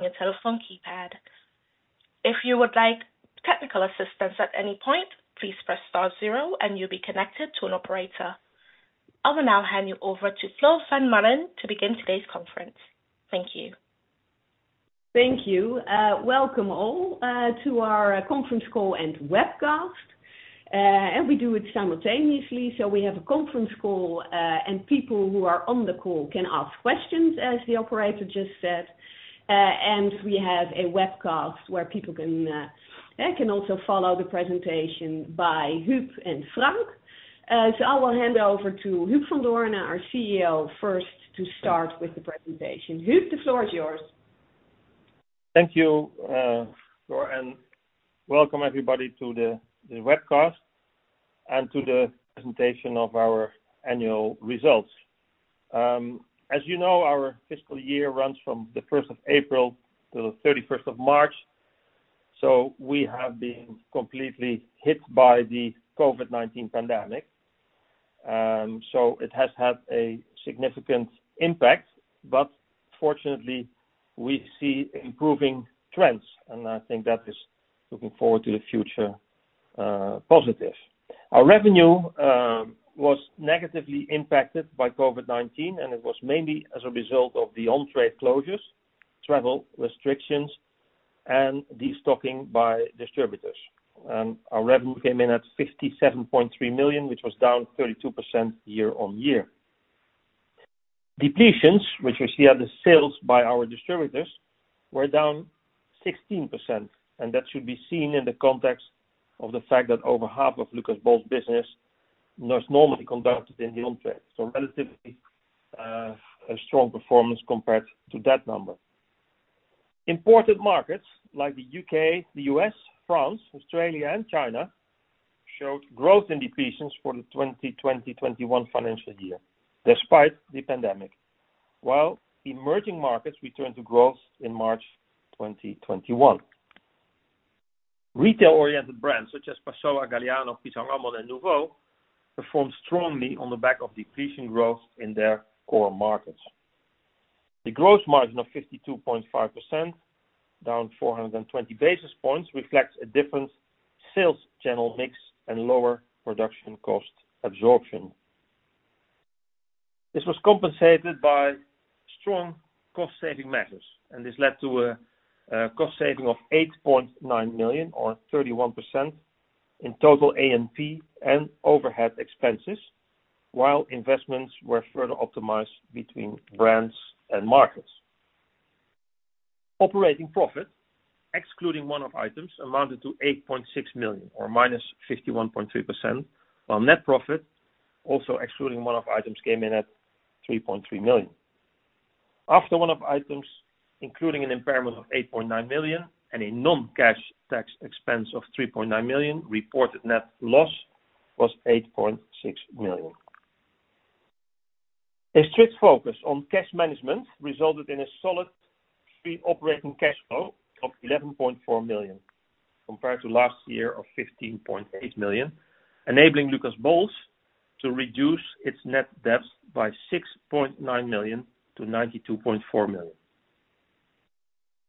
Your telephone keypad. If you would like technical assistance at any point, please press star zero and you'll be connected to an operator. I will now hand you over to Floor van Maaren to begin today's conference. Thank you. Thank you. Welcome all to our conference call and webcast. We do it simultaneously, so we have a conference call and people who are on the call can ask questions, as the operator just said, and we have a webcast where people can also follow the presentation by Huub and Frank. I will hand over to Huub van Doorne, our CEO, first to start with the presentation. Huub, the floor is yours. Thank you, Floor. Welcome everybody to the webcast and to the presentation of our annual results. As you know, our fiscal year runs from the 1st of April to the 31st of March, so we have been completely hit by the COVID-19 pandemic. It has had a significant impact, but fortunately, we see improving trends, and I think that is looking forward to the future positive. Our revenue was negatively impacted by COVID-19, it was mainly as a result of the on-trade closures, travel restrictions, and destocking by distributors. Our revenue came in at 57.3 million, which was down 32% year-on-year. Depletions, which we see are the sales by our distributors, were down 16%, and that should be seen in the context of the fact that over half of Lucas Bols business was normally conducted in the on-trade. Relatively, a strong performance compared to that number. Important markets like the U.K., the U.S., France, Australia, and China showed growth in depletions for the 2020/2021 financial year, despite the pandemic. Emerging markets returned to growth in March 2021. Retail-oriented brands such as Passoã, Galliano, Pisang Ambon, and Nuvo performed strongly on the back of depletion growth in their core markets. The gross margin of 52.5%, down 420 basis points, reflects a different sales channel mix and lower production cost absorption. This was compensated by strong cost-saving measures. This led to a cost saving of 8.9 million or 31% in total A&P and overhead expenses. Investments were further optimized between brands and markets. Operating profit, excluding one-off items, amounted to 8.6 million, or -51.3%. Net profit, also excluding one-off items, came in at 3.3 million. After one-off items, including an impairment of 8.9 million and a non-cash tax expense of 3.9 million, reported net loss was 8.6 million. A strict focus on cash management resulted in a solid free operating cash flow of 11.4 million compared to last year of 15.8 million, enabling Lucas Bols to reduce its net debt by 6.9 million to 92.4 million.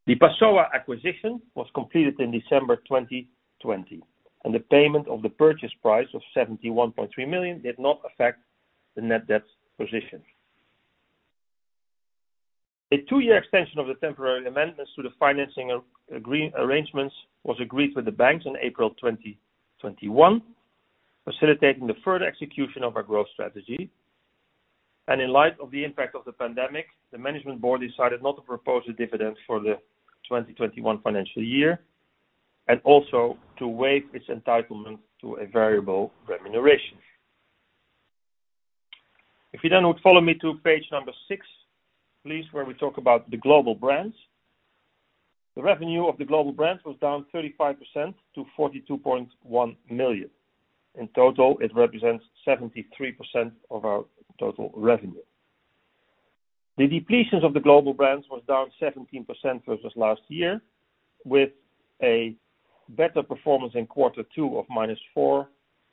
The Passoã acquisition was completed in December 2020, and the payment of the purchase price of 71.3 million did not affect the net debt position. A two-year extension of the temporary amendments to the financing agreement arrangements was agreed with the banks in April 2021, facilitating the further execution of our growth strategy. In light of the impact of the pandemic, the management board decided not to propose a dividend for the 2021 financial year and also to waive its entitlement to a variable remuneration. If you would follow me to page six, please, where we talk about the Global Brands. The revenue of the Global Brands was down 35% to 42.1 million. In total, it represents 73% of our total revenue. The depletions of the Global Brands was down 17% versus last year, with a better performance in quarter two of -4%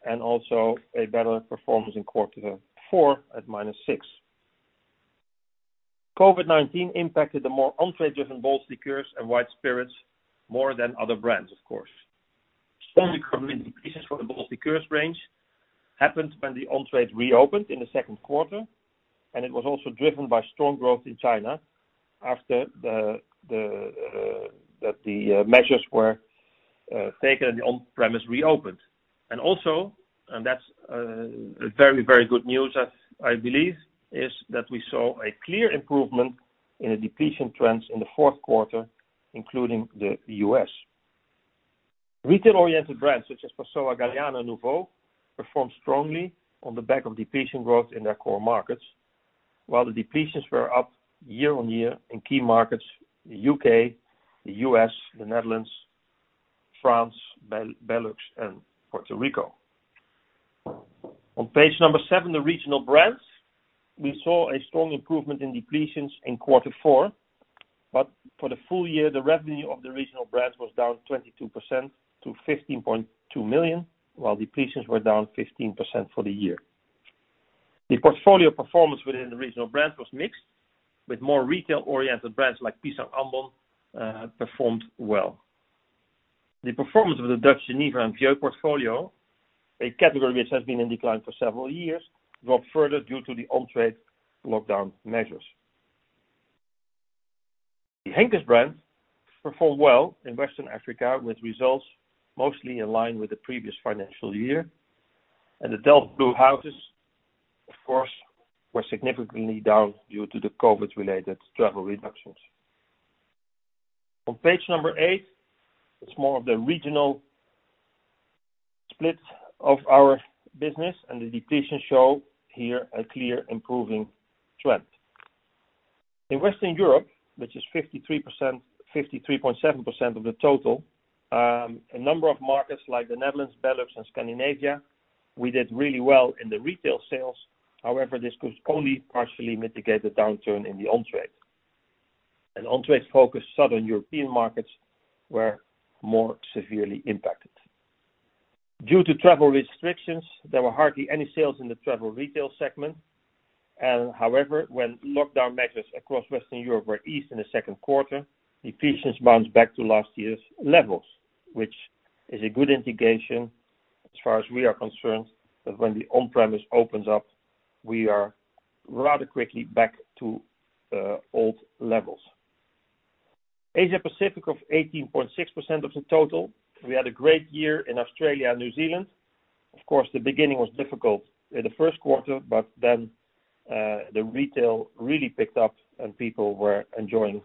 and also a better performance in quarter four at -6%. COVID-19 impacted the more on-trade driven Bols Liqueurs and white spirits more than other brands, of course. The Liqueurs range happened when the on-trades reopened in the second quarter, and it was also driven by strong growth in China after the measures were taken and the on-premise reopened. Also, and that's very good news, I believe, is that we saw a clear improvement in the depletion trends in the fourth quarter, including the U.S. Retail-oriented brands such as Passoã, Galliano, and Nuvo performed strongly on the back of depletion growth in their core markets, while the depletions were up year-on-year in key markets, the U.K., the U.S., the Netherlands, France, BeLux, and Puerto Rico. On page number seven, the regional brands, we saw a strong improvement in depletions in quarter four, but for the full year, the revenue of the regional brands was down 22% to 15.2 million, while depletions were down 15% for the year. The portfolio performance within the regional brands was mixed, with more retail-oriented brands like Pisang Ambon performing well. The performance of the Dutch Genever and Bols portfolio, a category that has been in decline for several years, dropped further due to the on-trade lockdown measures. The Henkes brand performed well in Western Africa, with results mostly in line with the previous financial year, and the Delft Blue houses, of course, were significantly down due to the COVID-related travel reductions. On page number eight, it's more of the regional split of our business, and the depletions show here a clear improving trend. In Western Europe, which is 53.7% of the total, a number of markets like the Netherlands, Belgium, and Scandinavia, we did really well in the retail sales. However, this could only partially mitigate the downturn in the on-trade. On-trade-focused Southern European markets were more severely impacted. Due to travel restrictions, there were hardly any sales in the travel retail segment. However, when lockdown measures across Western Europe were eased in the second quarter, depletions bounced back to last year's levels, which is a good indication, as far as we are concerned, that when the on-premise opens up, we are rather quickly back to old levels. Asia Pacific of 18.6% of the total. We had a great year in Australia and New Zealand. The beginning was difficult in the first quarter, but then the retail really picked up, and people were enjoying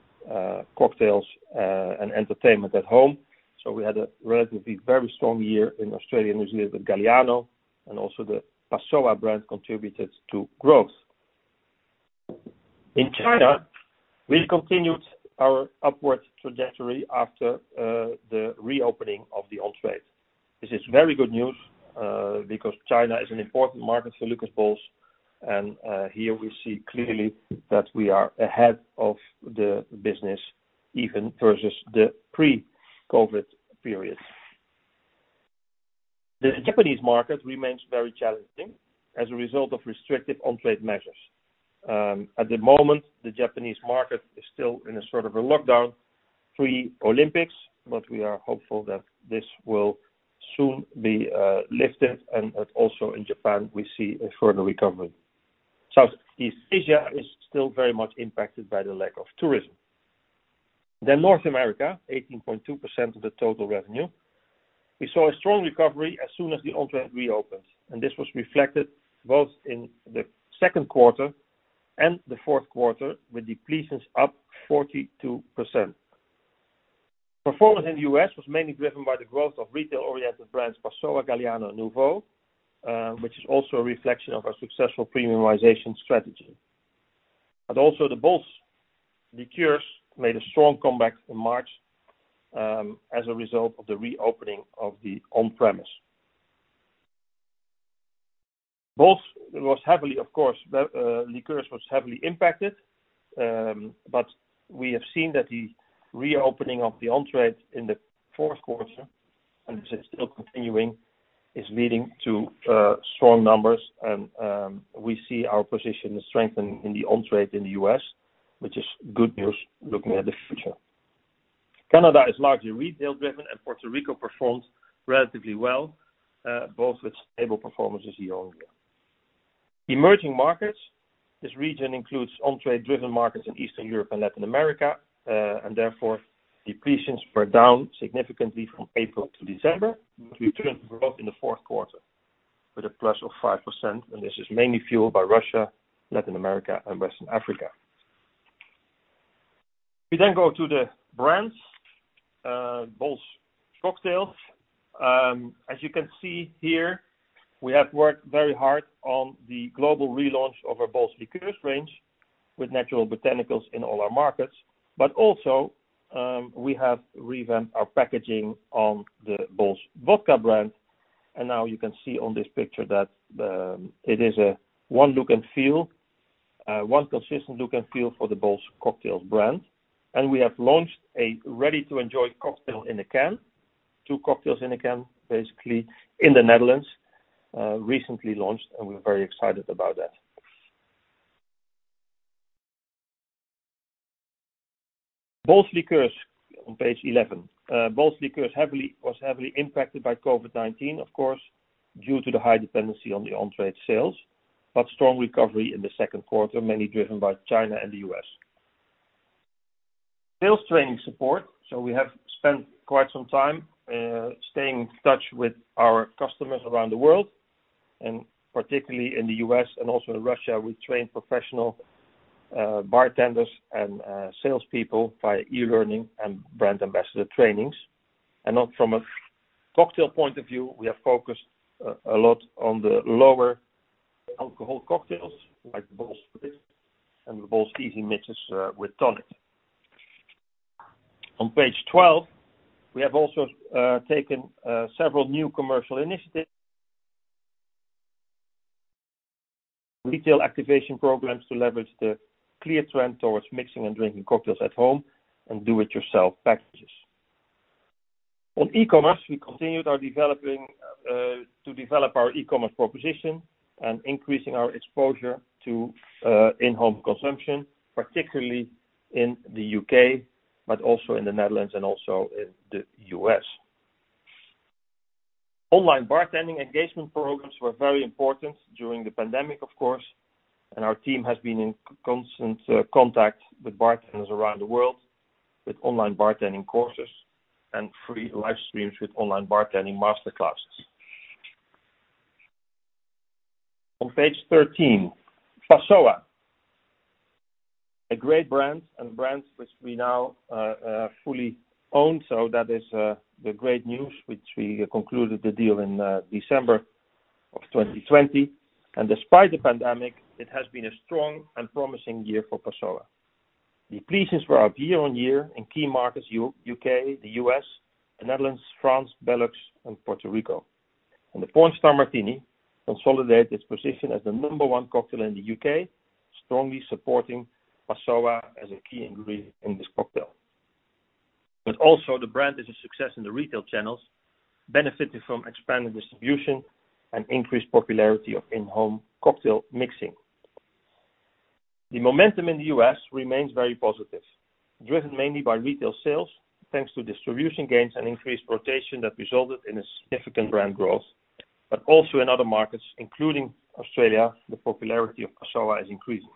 cocktails and entertainment at home. We had a relatively very strong year in Australia and New Zealand with Galliano, and also the Passoã brand contributed to growth. In China, we continued our upward trajectory after the reopening of the on-trade. This is very good news because China is an important market for Lucas Bols, and here we see clearly that we are ahead of the business even versus the pre-COVID period. The Japanese market remains very challenging as a result of restrictive on-trade measures. At the moment, the Japanese market is still in a sort of a lockdown pre-Olympics, but we are hopeful that this will soon be lifted and that also in Japan we see a further recovery. Southeast Asia is still very much impacted by the lack of tourism. North America, 18.2% of the total revenue. We saw a strong recovery as soon as the on-trade reopened, and this was reflected both in the second quarter and the fourth quarter with depletions up 42%. Performance in the U.S. was mainly driven by the growth of retail-oriented brands Passoã, Galliano, and Nuvo, which is also a reflection of our successful premiumization strategy. The Bols Liqueurs made a strong comeback in March as a result of the reopening of the on-premise. Bols was heavily, of course, liqueurs was heavily impacted. We have seen that the reopening of the on-trade in the fourth quarter, and this is still continuing, is leading to strong numbers. We see our position strengthened in the on-trade in the U.S., which is good news looking at the future. Canada is largely retail-driven. Puerto Rico performed relatively well, both with stable performances year-over-year. Emerging markets. This region includes on-trade-driven markets in Eastern Europe and Latin America. Therefore depletions were down significantly from April to December. We have returned to growth in the fourth quarter with a plus of 5%. This is mainly fueled by Russia, Latin America, and Western Africa. We go to the brands, Bols Cocktails. As you can see here, we have worked very hard on the global relaunch of our Bols Liqueurs range with natural botanicals in all our markets. Also, we have revamped our packaging on the Bols Vodka brand. Now you can see on this picture that it is a one consistent look and feel for the Bols Cocktails brand. We have launched a ready-to-enjoy cocktail in a can, two cocktails in a can, basically, in the Netherlands, recently launched, and we're very excited about that. Bols Liqueurs on page 11. Bols Liqueurs was heavily impacted by COVID-19, of course, due to the high dependency on the on-trade sales, but strong recovery in the second quarter, mainly driven by China and the U.S. Sales training support. We have spent quite some time staying in touch with our customers around the world, and particularly in the U.S. and also in Russia, we train professional bartenders and salespeople via e-learning and brand ambassador trainings. From a cocktail point of view, we are focused a lot on the lower alcohol cocktails, like the Bols Spritz and the Bols Easy Mixers with Tonic. On page 12, we have also taken several new commercial initiatives. Retail activation programs to leverage the clear trend towards mixing and drinking cocktails at home and do-it-yourself packages. On e-commerce, we continued to develop our e-commerce proposition and increasing our exposure to in-home consumption, particularly in the U.K., but also in the Netherlands and also in the U.S. Online bartending engagement programs were very important during the pandemic, of course, and our team has been in constant contact with bartenders around the world with online bartending courses and free livestreams with online bartending master classes. On page 13, Passoã. A great brand and a brand which we now fully own. That is the great news, which we concluded the deal in December of 2020. Despite the pandemic, it has been a strong and promising year for Passoã. We are pleased with our year-on-year in key markets U.K., the U.S., the Netherlands, France, BeLux, and Puerto Rico. The Pornstar Martini consolidated its position as the number one cocktail in the U.K., strongly supporting Passoã as a key ingredient in this cocktail. Also the brand is a success in the retail channels, benefiting from expanding distribution and increased popularity of in-home cocktail mixing. The momentum in the U.S. remains very positive, driven mainly by retail sales, thanks to distribution gains and increased rotation that resulted in a significant brand growth, but also in other markets, including Australia, the popularity of Passoã is increasing.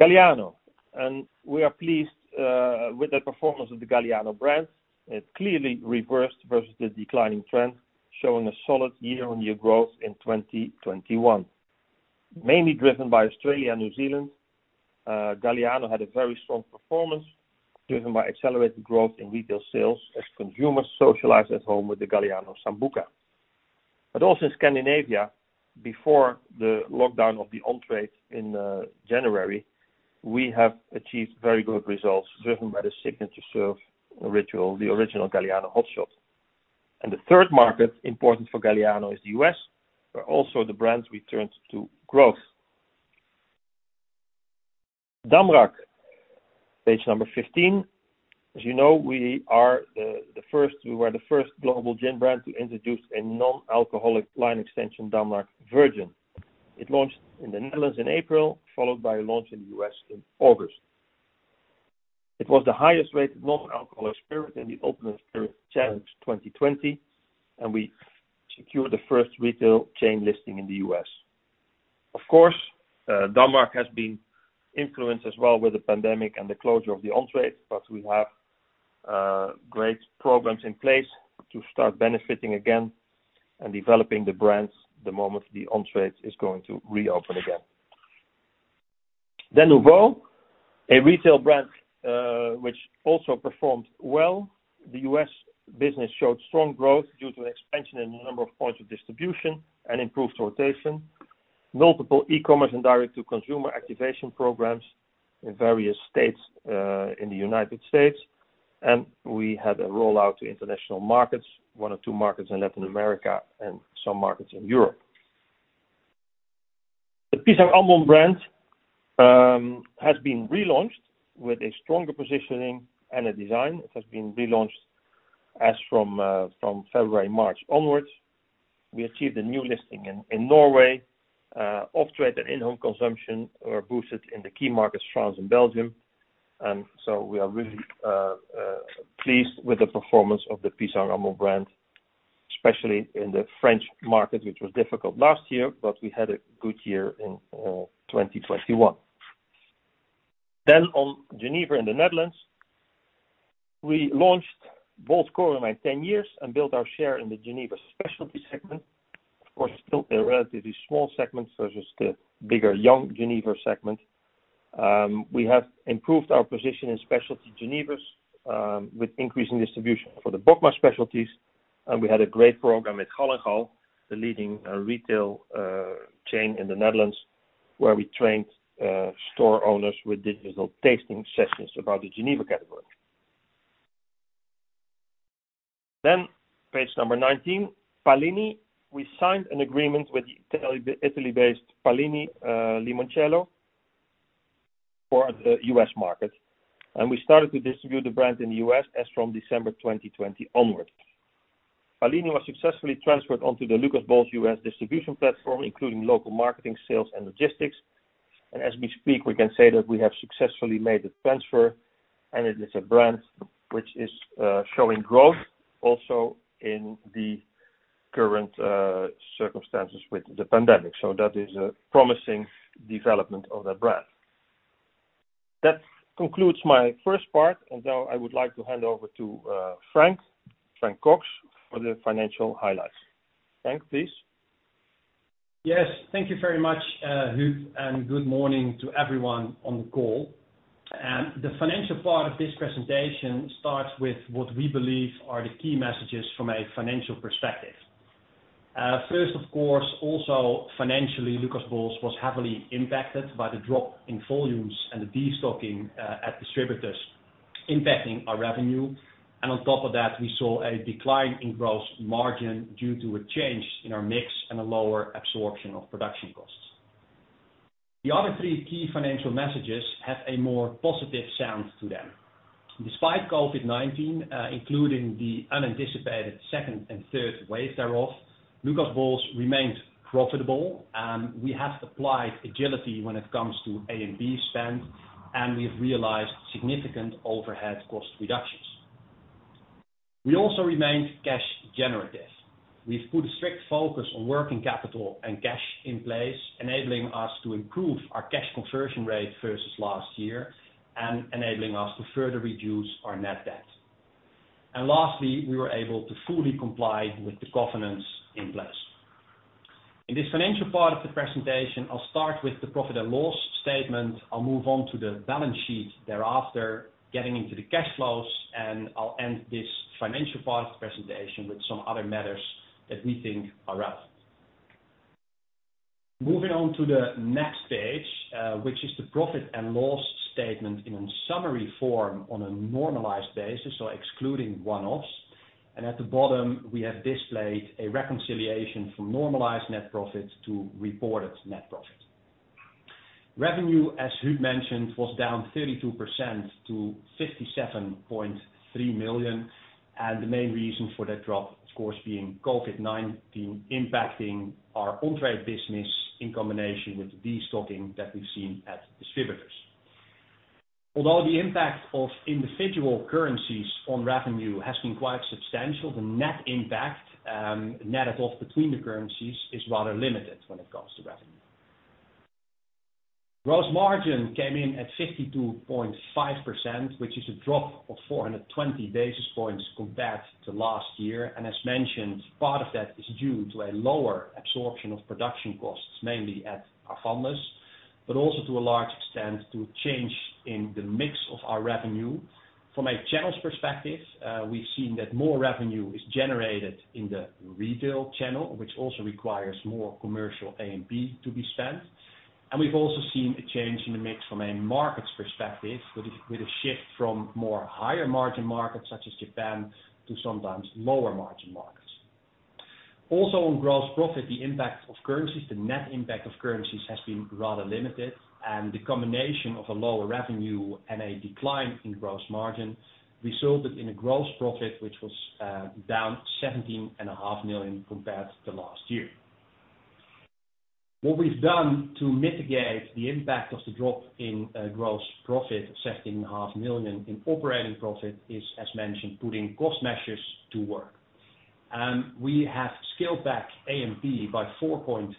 Galliano, we are pleased with the performance of the Galliano brand. It clearly reversed versus the declining trend, showing a solid year-on-year growth in 2021. Mainly driven by Australia and New Zealand, Galliano had a very strong performance driven by accelerated growth in retail sales as consumers socialized at home with the Galliano Sambuca. Also Scandinavia, before the lockdown of the on-trade in January, we have achieved very good results driven by the signature serve ritual, the original Galliano Hot Shot. The third market important for Galliano is the U.S., where also the brand returns to growth. Damrak, page number 15. As you know, we were the first global gin brand to introduce a non-alcoholic line extension, Damrak Virgin. It launched in the Netherlands in April, followed by a launch in the U.S. in August. It was the highest-rated non-alcoholic spirit in the Open Spirit Challenge 2020, and we secured the first retail chain listing in the U.S. Of course, Damrak has been influenced as well with the pandemic and the closure of the on-trade, but we have great programs in place to start benefiting again and developing the brands the moment the on-trade is going to reopen again. The Nuvo, a retail brand, which also performed well. The U.S. business showed strong growth due to expansion in the number of points of distribution and improved rotation, multiple e-commerce and direct-to-consumer activation programs in various states in the United States. We had a rollout to international markets, one or two markets in Latin America and some markets in Europe. The Pisang Ambon brand has been relaunched with a stronger positioning and a design. It has been relaunched as from February, March onwards. We achieved a new listing in Norway. Off-trade and in-home consumption are boosted in the key markets, France and Belgium. We are really pleased with the performance of the Pisang Ambon brand, especially in the French market, which was difficult last year, but we had a good year in 2021. On Genever in the Netherlands, we launched Bols Corenwyn 10 years and built our share in the Genever specialty segment. Of course, still a relatively small segment versus the bigger young Genever segment. We have improved our position in specialty Genevers, with increasing distribution for the Bokma specialties. And we had a great program with Gall & Gall, the leading retail chain in the Netherlands, where we trained store owners with digital tasting sessions about the Genever category. Page number 19, Pallini. We signed an agreement with Italy-based Pallini Limoncello for the U.S. market, and we started to distribute the brand in the U.S. as from December 2020 onwards. Pallini was successfully transferred onto the Lucas Bols U.S. distribution platform, including local marketing, sales, and logistics. As we speak, we can say that we have successfully made the transfer, and it is a brand which is showing growth also in the current circumstances with the pandemic. That is a promising development of the brand. That concludes my first part, and now I would like to hand over to Frank, Frank Cocx, for the financial highlights. Frank, please. Thank you very much, Huub, and good morning to everyone on the call. The financial part of this presentation starts with what we believe are the key messages from a financial perspective. First, of course, also financially, Lucas Bols was heavily impacted by the drop in volumes and the destocking at distributors impacting our revenue. On top of that, we saw a decline in gross margin due to a change in our mix and a lower absorption of production costs. The other three key financial messages have a more positive sound to them. Despite COVID-19, including the unanticipated second and third wave thereof, Lucas Bols remained profitable, and we have applied agility when it comes to A&P spend, and we've realized significant overhead cost reductions. We also remained cash generative. We've put a strict focus on working capital and cash in place, enabling us to improve our cash conversion rate versus last year and enabling us to further reduce our net debt. Lastly, we were able to fully comply with the governance in place. In this financial part of the presentation, I'll start with the profit and loss statement. I'll move on to the balance sheet thereafter, getting into the cash flows, and I'll end this financial part of the presentation with some other matters that we think are relevant. Moving on to the next page, which is the profit and loss statement in summary form on a normalized basis, so excluding one-offs. At the bottom, we have displayed a reconciliation from normalized net profit to reported net profit. Revenue, as Huub mentioned, was down 32% to 57.3 million. The main reason for that drop, of course, being COVID-19 impacting our on-trade business in combination with the destocking that we've seen at distributors. Although the impact of individual currencies on revenue has been quite substantial, the net impact, net of between the currencies, is rather limited when it comes to revenue. Gross margin came in at 52.5%, which is a drop of 420 basis points compared to last year. As mentioned, part of that is due to a lower absorption of production costs, mainly at Avandis, but also to a large extent to a change in the mix of our revenue. From a channels perspective, we've seen that more revenue is generated in the retail channel, which also requires more commercial A&P to be spent. We've also seen a change in the mix from a markets perspective with a shift from more higher margin markets such as Japan to sometimes lower margin markets. Also on gross profit, the impact of currencies, the net impact of currencies, has been rather limited, and the combination of a lower revenue and a decline in gross margin resulted in a gross profit which was down 17.5 million compared to last year. What we've done to mitigate the impact of the drop in gross profit, 17.5 million in operating profit is, as mentioned, putting cost measures to work. We have scaled back A&P by 4.6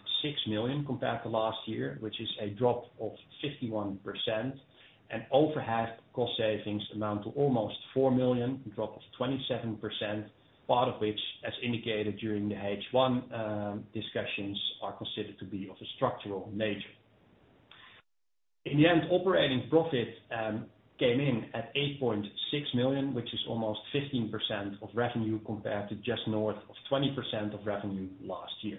million compared to last year, which is a drop of 51%, and overhead cost savings amount to almost 4 million, a drop of 27%, part of which, as indicated during the H1 discussions, are considered to be of a structural nature. In the end, operating profit came in at 8.6 million, which is almost 15% of revenue compared to just north of 20% of revenue last year.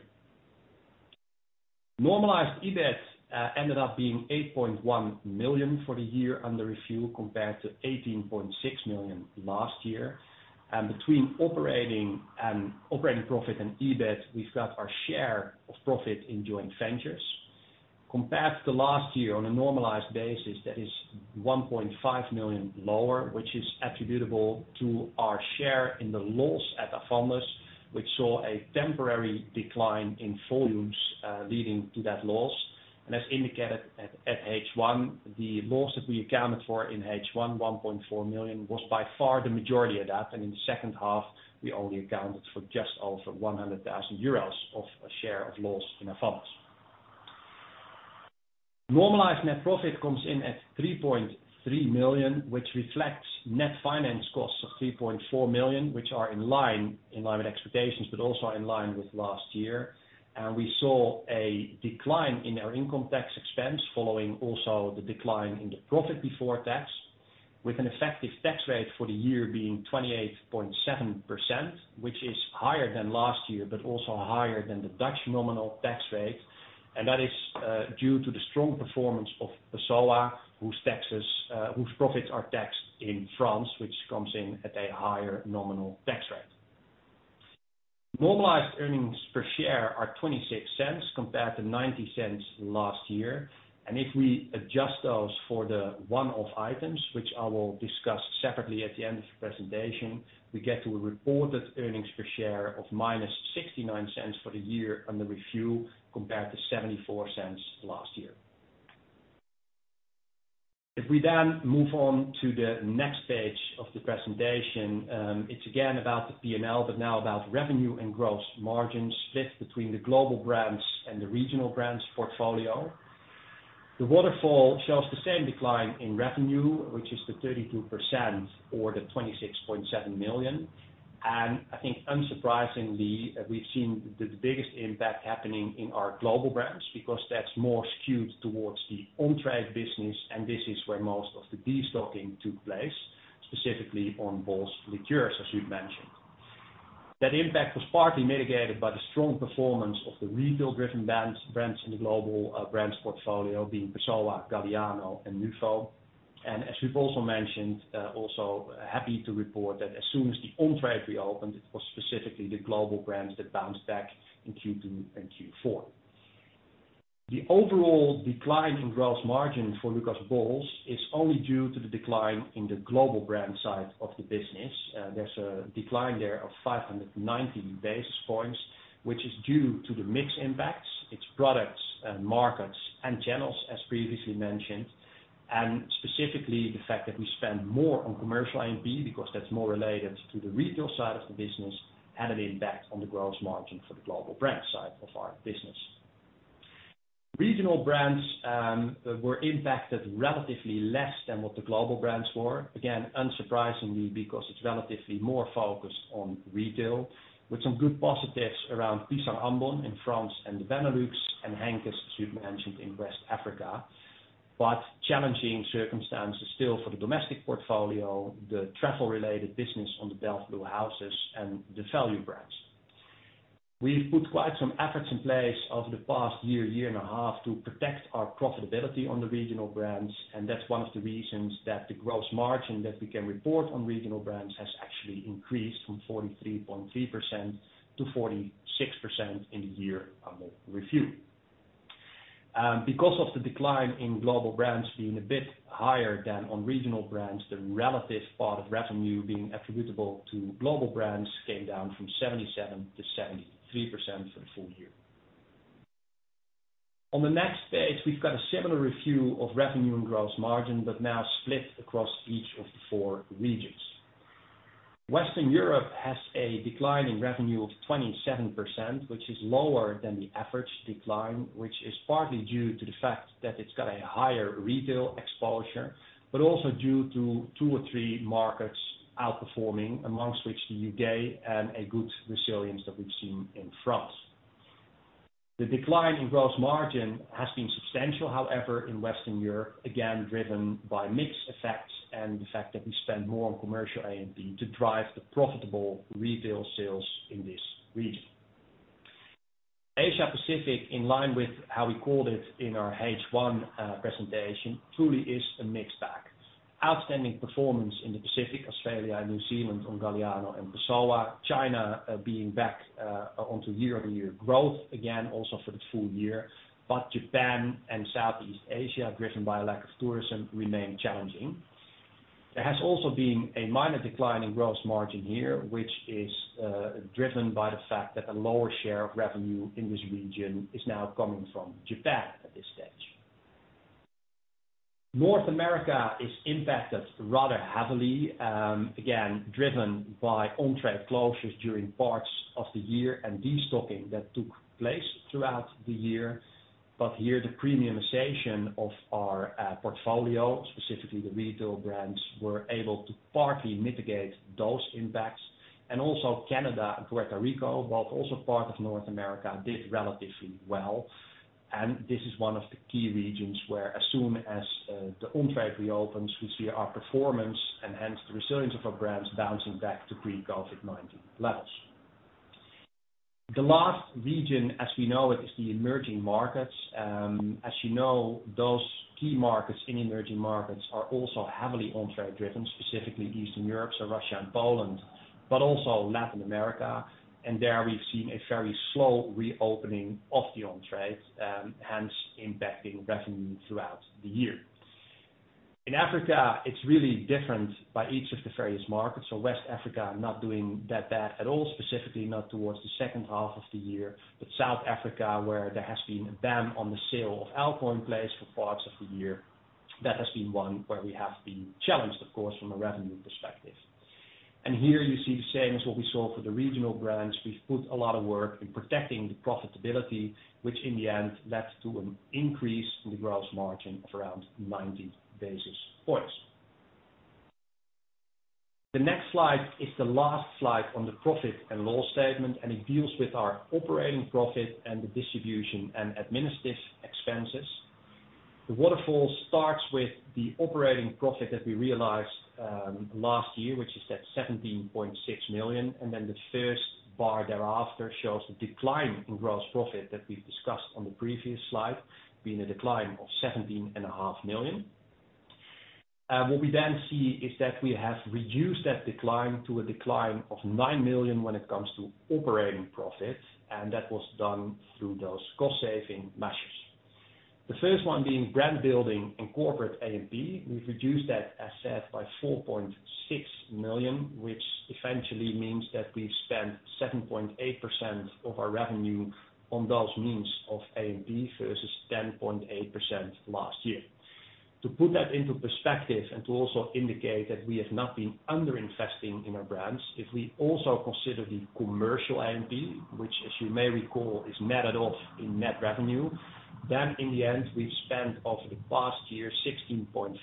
Normalized EBIT ended up being 8.1 million for the year under review compared to 18.6 million last year. Between operating profit and EBIT, we've got our share of profit in joint ventures. Compared to last year on a normalized basis, that is 1.5 million lower, which is attributable to our share in the loss at Avandis, which saw a temporary decline in volumes, leading to that loss. As indicated at H1, the loss that we accounted for in H1, 1.4 million, was by far the majority of that. In the second half, we only accounted for just over 100,000 euros of a share of loss in Avandis. Normalized net profit comes in at 3.3 million, which reflects net finance costs of 3.4 million, which are in line in our expectations, also in line with last year. We saw a decline in our income tax expense following also the decline in the profit before tax, with an effective tax rate for the year being 28.7%, which is higher than last year, also higher than the Dutch nominal tax rate. That is due to the strong performance of Passoã, whose profits are taxed in France, which comes in at a higher nominal tax rate. Normalized earnings per share are 0.26 compared to 0.90 last year. If we adjust those for the one-off items, which I will discuss separately at the end of the presentation, we get to a reported earnings per share of minus 0.69 for the year under review, compared to 0.74 last year. If we then move on to the next page of the presentation, it's again about the P&L, but now about revenue and gross margins split between the global brands and the regional brands portfolio. The waterfall shows the same decline in revenue, which is the 32% or the 26.7 million. I think unsurprisingly, we've seen the biggest impact happening in our global brands because that's more skewed towards the on-trade business, and this is where most of the destocking took place, specifically on Bols Liqueurs, as you'd mentioned. That impact was partly mitigated by the strong performance of the retail-driven brands in the global brands portfolio being Passoã, Galliano, and Nuvo. As we've also mentioned, also happy to report that as soon as the on-trade reopened, it was specifically the global brands that bounced back in Q2 and Q4. The overall decline in gross margin for Lucas Bols is only due to the decline in the global brand side of the business. There's a decline there of 590 basis points, which is due to the mix impacts, its products and markets and channels, as previously mentioned, and specifically the fact that we spend more on commercial A&P because that's more related to the retail side of the business and an impact on the gross margin for the global brand side of our business. Regional brands were impacted relatively less than what the global brands were. Again, unsurprisingly, because it's relatively more focused on retail with some good positives around Pisang Ambon in France and the Benelux and Henkes, as we've mentioned, in West Africa, but challenging circumstances still for the domestic portfolio, the travel-related business on the Delft Blue houses and the value brands. We've put quite some efforts in place over the past year and a half to protect our profitability on the regional brands, and that's one of the reasons that the gross margin that we can report on regional brands has actually increased from 43.3% to 46% in the year under review. Because of the decline in global brands being a bit higher than on regional brands, the relative part of revenue being attributable to global brands came down from 77% to 73% for the full year. On the next page, we've got a similar review of revenue and gross margin, but now split across each of the four regions. Western Europe has a decline in revenue of 27%, which is lower than the average decline, which is partly due to the fact that it's got a higher retail exposure, but also due to two or three markets outperforming, amongst which the U.K., and a good resilience that we've seen in France. The decline in gross margin has been substantial, however, in Western Europe, again, driven by mix effects and the fact that we spend more on commercial A&P to drive the profitable retail sales in this region. Asia-Pacific, in line with how we called it in our H1 presentation, truly is a mixed bag. Outstanding performance in the Pacific, Australia, New Zealand on Galliano and Passoã, China being back onto year-over-year growth again also for the full year. Japan and Southeast Asia, driven by a lack of tourism, remain challenging. There has also been a minor decline in gross margin here, which is driven by the fact that a lower share of revenue in this region is now coming from Japan at this stage. North America is impacted rather heavily, again, driven by on-trade closures during parts of the year and destocking that took place throughout the year. Here, the premiumization of our portfolio, specifically the retail brands, were able to partly mitigate those impacts and also Canada and Puerto Rico, while also part of North America, did relatively well. This is one of the key regions where as soon as the on-trade reopens, we see our performance and hence the resilience of our brands bouncing back to pre-COVID-19 levels. The last region as we know it is the emerging markets. You know, those key markets in emerging markets are also heavily on-trade driven, specifically Eastern Europe, so Russia and Poland, but also Latin America. There we've seen a very slow reopening of the on-trade, hence impacting revenue throughout the year. In Africa, it's really different by each of the various markets. West Africa not doing that bad at all, specifically not towards the second half of the year, but South Africa, where there has been a ban on the sale of alcohol in place for parts of the year, that has been one where we have been challenged, of course, from a revenue perspective. Here you see the same as what we saw for the regional brands. We've put a lot of work in protecting the profitability, which in the end led to an increase in the gross margin of around 90 basis points. The next slide is the last slide on the profit and loss statement, and it deals with our operating profit and the distribution and administrative expenses. The waterfall starts with the operating profit that we realized last year, which is that 17.6 million, and then the first bar thereafter shows the decline in gross profit that we've discussed on the previous slide, being a decline of 17.5 million. What we then see is that we have reduced that decline to a decline of 9 million when it comes to operating profit, and that was done through those cost-saving measures. The first one being brand-building and corporate A&P. We've reduced that asset by 4.6 million, which eventually means that we've spent 7.8% of our revenue on those means of A&P versus 10.8% last year. To put that into perspective and to also indicate that we have not been under-investing in our brands, if we also consider the commercial A&P, which as you may recall, is netted off in net revenue, then in the end, we've spent over the past year 16.5%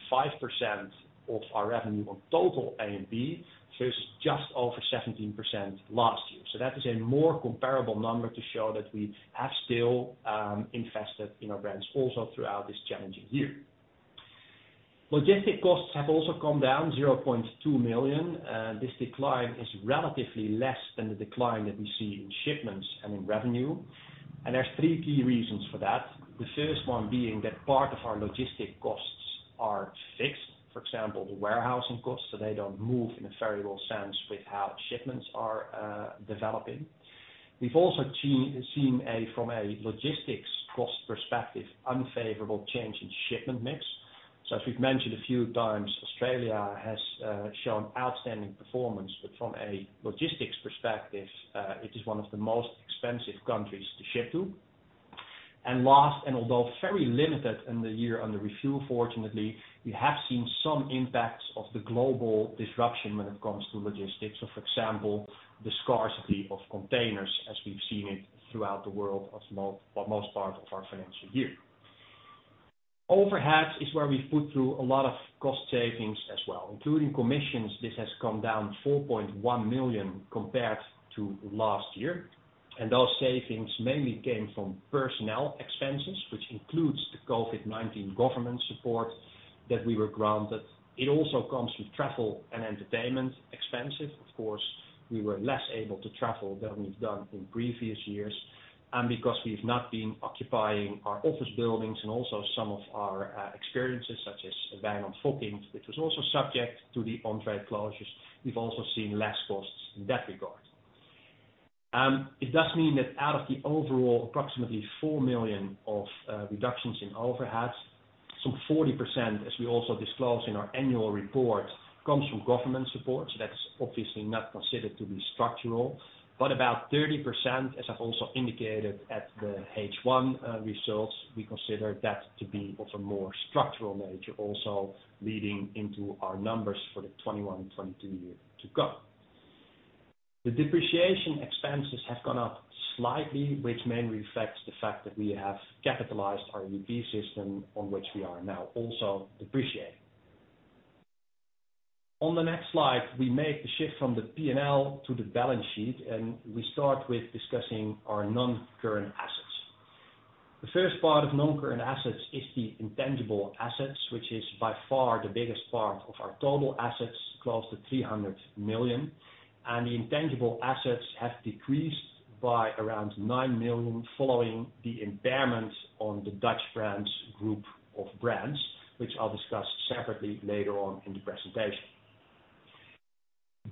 of our revenue on total A&P versus just over 17% last year. That is a more comparable number to show that we have still invested in our brands also throughout this challenging year. Logistic costs have also come down 0.2 million. This decline is relatively less than the decline that we see in shipments and in revenue. There's three key reasons for that. The first one being that part of our logistic costs are fixed. For example, the warehousing costs, so they don't move in a variable sense with how shipments are developing. We've also seen from a logistics cost perspective, unfavorable change in shipment mix. As we've mentioned a few times, Australia has shown outstanding performance, but from a logistics perspective, it is one of the most expensive countries to ship to. Last, and although very limited in the year under review fortunately, we have seen some impacts of the global disruption when it comes to logistics. For example, the scarcity of containers as we've seen it throughout the world for the most part of our financial year. Overheads is where we put through a lot of cost savings as well. Including commissions, this has come down 4.1 million compared to last year, and those savings mainly came from personnel expenses, which includes the COVID-19 government support that we were granted. It also comes from travel and entertainment expenses. Of course, we were less able to travel than we've done in previous years, and because we've not been occupying our office buildings and also some of our experiences, such as Wynand Fockink, which was also subject to the on-trade closures, we've also seen less costs in that regard. It does mean that out of the overall, approximately 4 million of reductions in overheads, some 40%, as we also disclose in our annual report, comes from government support. That's obviously not considered to be structural. About 30%, as I've also indicated at the H1 results, we consider that to be of a more structural nature, also leading into our numbers for the 2021 and 2022 year to come. The depreciation expenses have gone up slightly, which mainly reflects the fact that we have capitalized our ERP system on which we are now also depreciating. On the next slide, we make the shift from the P&L to the balance sheet. We start with discussing our non-current assets. The first part of non-current assets is the intangible assets, which is by far the biggest part of our total assets, close to 300 million. The intangible assets have decreased by around 9 million following the impairment on the Dutch brands, group of brands, which I'll discuss separately later on in the presentation.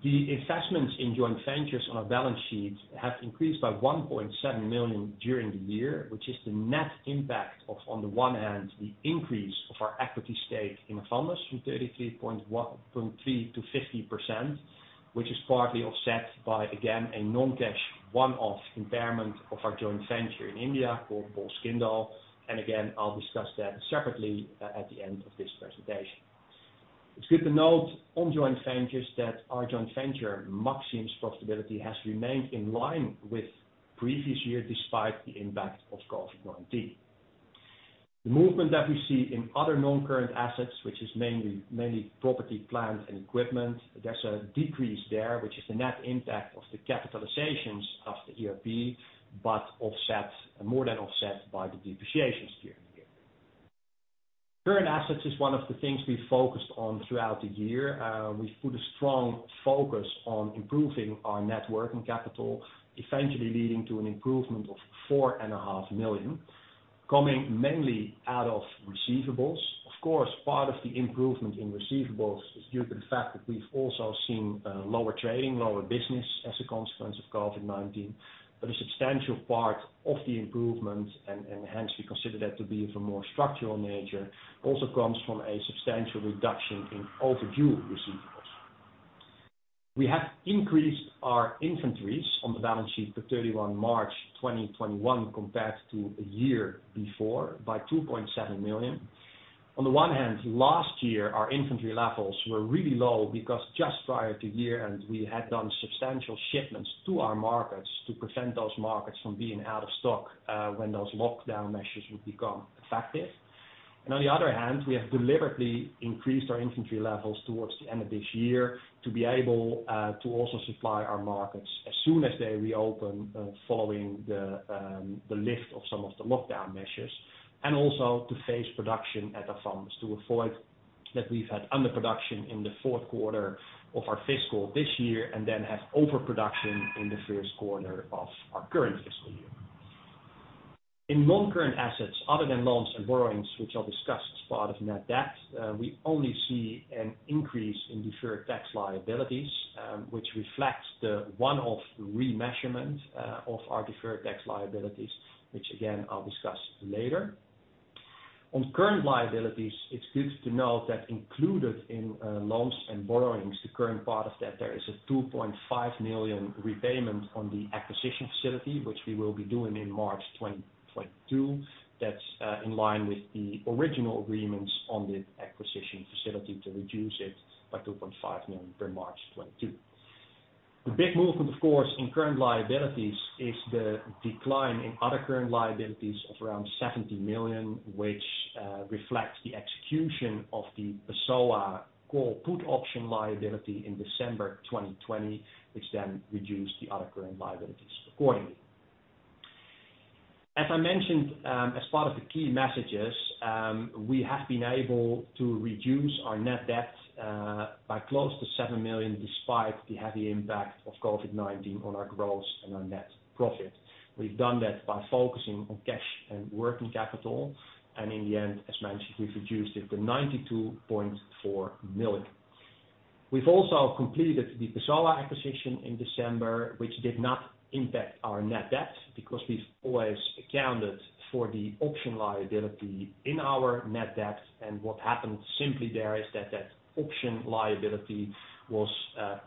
The investments in joint ventures on our balance sheet have increased by 1.7 million during the year, which is the net impact of, on the one hand, the increase of our equity stake in Avandis from 33.3% to 50%, which is partly offset by, again, a non-cash one-off impairment of our joint venture in India called Bols Kyndal. Again, I'll discuss that separately at the end of this presentation. It's good to note on joint ventures that our joint venture, Maxxium's profitability has remained in line with previous years despite the impact of COVID-19. The movement that we see in other non-current assets, which is mainly property, plant, and equipment, there's a decrease there, which is the net impact of the capitalizations of the ERP, more than offset by the depreciations during the year. Current assets is one of the things we focused on throughout the year. We've put a strong focus on improving our net working capital, eventually leading to an improvement of 4.5 million coming mainly out of receivables. Of course, part of the improvement in receivables is due to the fact that we've also seen lower trading, lower business as a consequence of COVID-19. A substantial part of the improvement, and hence we consider that to be of a more structural nature, also comes from a substantial reduction in overdue receivables. We have increased our inventories on the balance sheet for 31 March 2021 compared to a year before by 2.7 million. On the one hand, last year, our inventory levels were really low because just prior to year end, we had done substantial shipments to our markets to prevent those markets from being out of stock, when those lockdown measures would become effective. On the other hand, we have deliberately increased our inventory levels towards the end of this year to be able to also supply our markets as soon as they reopen following the lift of some of the lockdown measures, and also to phase production at Avandis to avoid that we've had underproduction in the fourth quarter of our fiscal this year and then have overproduction in the first quarter of our current fiscal year. In non-current assets other than loans and borrowings, which I'll discuss as part of net debt, we only see an increase in deferred tax liabilities, which reflects the one-off remeasurement of our deferred tax liabilities, which again, I'll discuss later. On current liabilities, it's good to note that included in loans and borrowings, the current part of that, there is a 2.5 million repayment on the acquisition facility, which we will be doing in March 2022. That's in line with the original agreements on the acquisition facility to reduce it by 2.5 million by March 2022. The big movement, of course, on current liabilities is the decline in other current liabilities of around 70 million, which reflects the execution of the Passoã call put option liability in December 2020, which then reduced the other current liabilities accordingly. As I mentioned, as part of the key messages, we have been able to reduce our net debt by close to 7 million, despite the heavy impact of COVID-19 on our growth and our net profit. We've done that by focusing on cash and working capital. In the end, as mentioned, we've reduced it to 92.4 million. We've also completed the Passoã acquisition in December, which did not impact our net debt because we've always accounted for the option liability in our net debt. What happened simply there is that that option liability was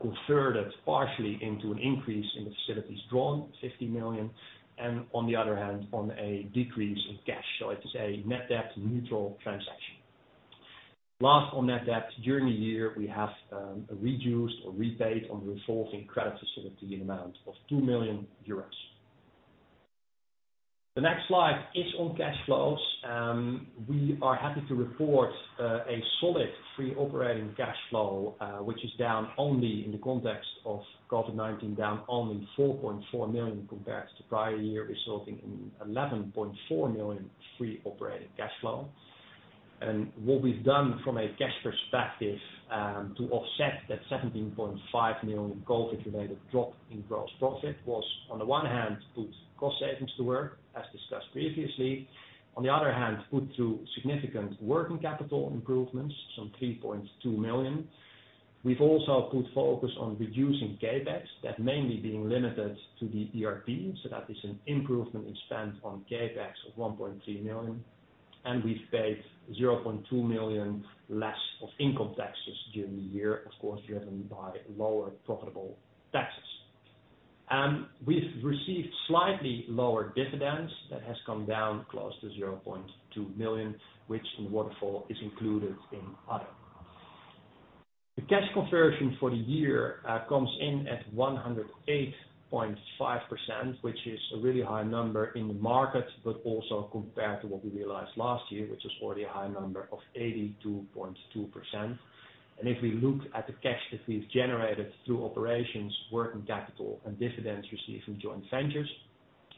converted partially into an increase in facilities drawn, 50 million, and on the other hand, on a decrease of cash. It's a net debt neutral transaction. Last on net debt, during the year, we have reduced or repaid on revolving credit facility amount of 2 million euros. The next slide is on cash flows. We are happy to report a solid free operating cash flow, which is down only in the context of COVID-19, down only 4.4 million compared to prior year, resulting in 11.4 million free operating cash flow. What we've done from a cash perspective to offset that 17.5 million COVID-related drop in gross profit was, on the one hand, put cost savings to work, as discussed previously. On the other hand, put to significant working capital improvements, some 3.2 million. We've also put focus on reducing CapEx, that mainly being limited to the ERP. That is an improvement in spend on CapEx of 1.3 million, and we've paid 0.2 million less of income taxes during the year, of course, driven by lower profitable taxes. We've received slightly lower dividends. That has come down close to 0.2 million, which in the waterfall is included in other. The cash conversion for the year comes in at 108.5%, which is a really high number in the market, but also compared to what we realized last year, which was already a high number of 82.2%. If we look at the cash that we've generated through operations, working capital, and dividends received from joint ventures,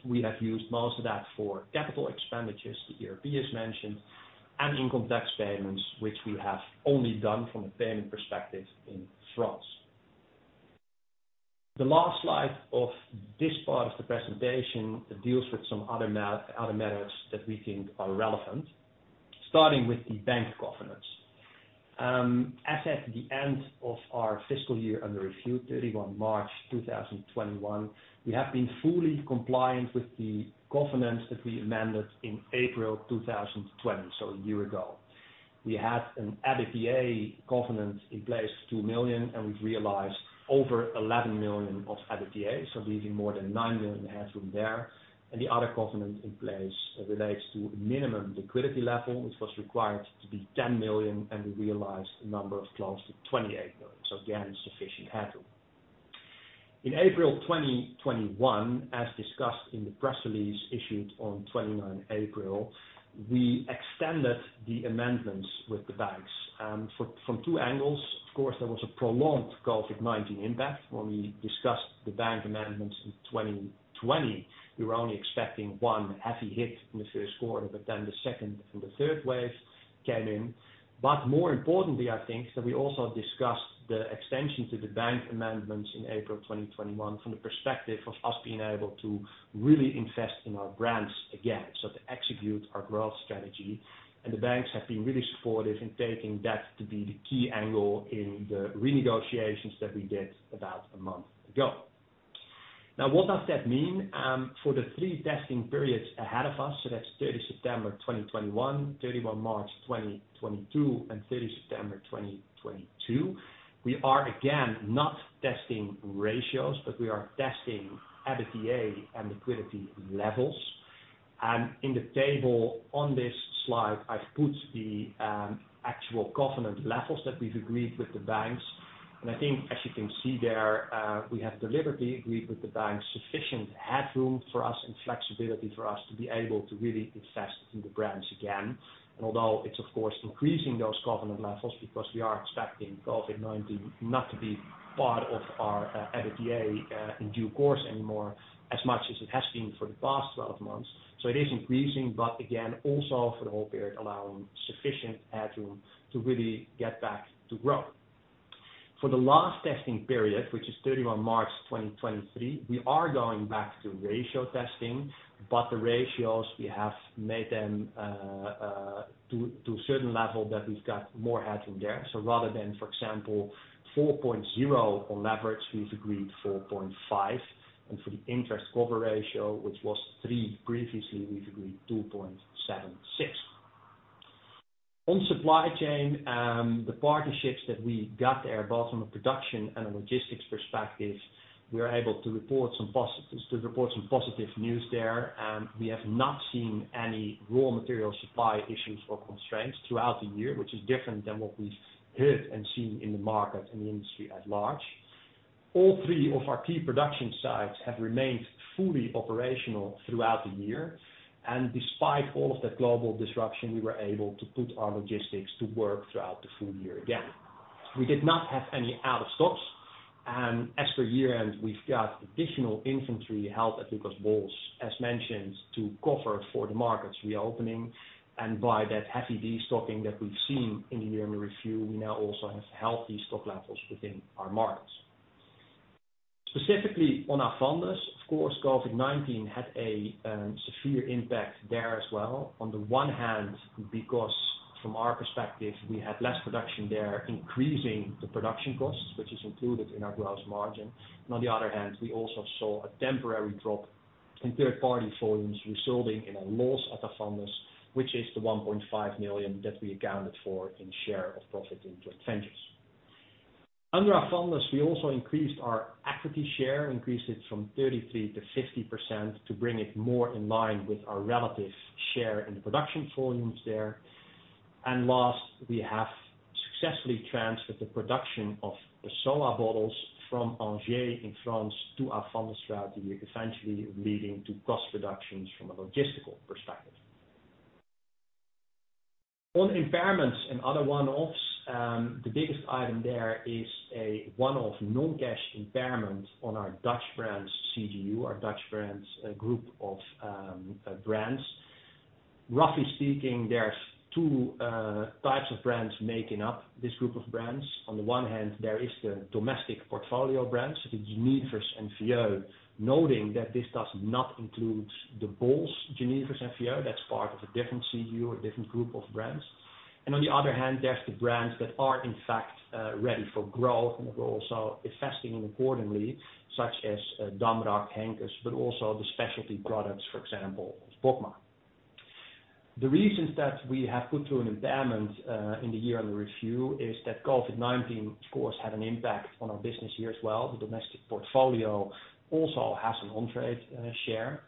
we have used most of that for capital expenditures, the ERP as mentioned, and income tax payments, which we have only done from a payment perspective in France. The last slide of this part of the presentation deals with some other matters that we think are relevant, starting with the bank covenants. As at the end of our fiscal year under review, 31 March 2021, we have been fully compliant with the covenants that we amended in April 2020, so a year ago. We had an EBITDA covenant in place of 2 million. We've realized over 11 million of EBITDA, leaving more than 9 million headroom there. The other covenant in place relates to a minimum liquidity level, which was required to be 10 million. We realized a number of close to 28 million. Again, sufficient headroom. In April 2021, as discussed in the press release issued on 29 April, we extended the amendments with the banks. From two angles, of course, there was a prolonged COVID-19 impact. When we discussed the bank amendments in 2020, we were only expecting one heavy hit from the first quarter, but then the second and the third wave came in. More importantly, I think that we also discussed the extension to the bank amendments in April 2021 from the perspective of us being able to really invest in our brands again, so to execute our growth strategy. The banks have been really supportive in taking that to be the key angle in the renegotiations that we did about a month ago. What does that mean? For the three testing periods ahead of us, so that's 30 September 2021, 31 March 2022, and 30 September 2022, we are again not testing ratios, but we are testing EBITDA and liquidity levels. In the table on this slide, I've put the actual covenant levels that we've agreed with the banks. I think as you can see there, we have deliberately agreed with the banks sufficient headroom for us and flexibility for us to be able to really invest in the brands again. Although it's, of course, increasing those covenant levels because we are expecting COVID-19 not to be part of our EBITDA in due course anymore, as much as it has been for the past 12 months. It is increasing, but again, also for the whole period, allowing sufficient headroom to really get back to growth. For the last testing period, which is 31 March 2023, we are going back to ratio testing, but the ratios we have made them to a certain level that we've got more headroom there. Rather than, for example, 4.0x on leverage, we've agreed 4.5x. For the interest cover ratio, which was 3x previously, we've agreed 2.76x. On supply chain, the partnerships that we got there, both from a production and logistics perspective, we are able to report some positive news there. We have not seen any raw material supply issues or constraints throughout the year, which is different than what we've heard and seen in the market and the industry at large. All three of our key production sites have remained fully operational throughout the year, and despite all of the global disruption, we were able to put our logistics to work throughout the full year again. We did not have any out of stocks. As per year-end, we've got additional inventory held at Lucas Bols, as mentioned, to cover for the markets reopening. By that heavy destocking that we've seen in the yearly review, we now also have healthy stock levels within our markets. Specifically on Avandis, of course, COVID-19 had a severe impact there as well. On the one hand, because from our perspective, we had less production there, increasing the production costs, which is included in our gross margin. On the other hand, we also saw a temporary drop in third-party volumes, resulting in a loss at Avandis, which is the 1.5 million that we accounted for in share of profit into expenses. Under Avandis, we also increased our equity share, increased it from 33% to 50% to bring it more in line with our relative share in production volumes there. Last, we have successfully transferred the production of the Passoã bottles from Angers in France to Avandis throughout the year, essentially leading to cost reductions from a logistical perspective. On impairments and other one-offs, the biggest item there is a one-off non-cash impairment on our Dutch brands CGU, our Dutch brands group of brands. Roughly speaking, there's two types of brands making up this group of brands. On the one hand, there is the domestic portfolio brands, the Genever and Vieux, noting that this does not include the Bols Genever and Vieux, that's part of a different CGU, a different group of brands. On the other hand, there's the brands that are in fact ready for growth, and we're also investing in accordingly, such as Damrak, Henkes, but also the specialty products, for example, Bokma. The reasons that we have put through an impairment in the yearly review is that COVID-19, of course, had an impact on our business here as well. The domestic portfolio also has an on-trade share.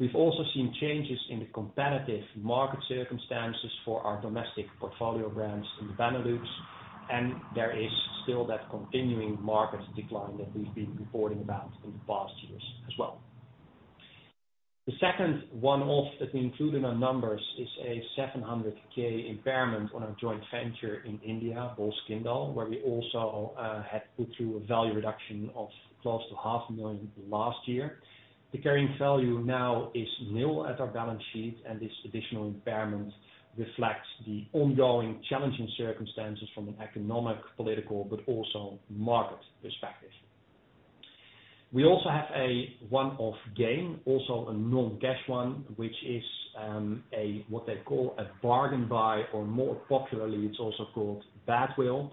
We've also seen changes in the competitive market circumstances for our domestic portfolio brands in the Benelux, and there is still that continuing market decline that we've been reporting about in past years as well. The second one-off that we included in our numbers is a 700,000 impairment on a joint venture in India, Bols Kyndal, where we also had put through a value reduction of close to 500,000 last year. The carrying value now is nil at our balance sheet, and this additional impairment reflects the ongoing challenging circumstances from an economic, political, but also market perspective. We also have a one-off gain, also a non-cash one, which is what they call a bargain buy, or more popularly, it's also called badwill.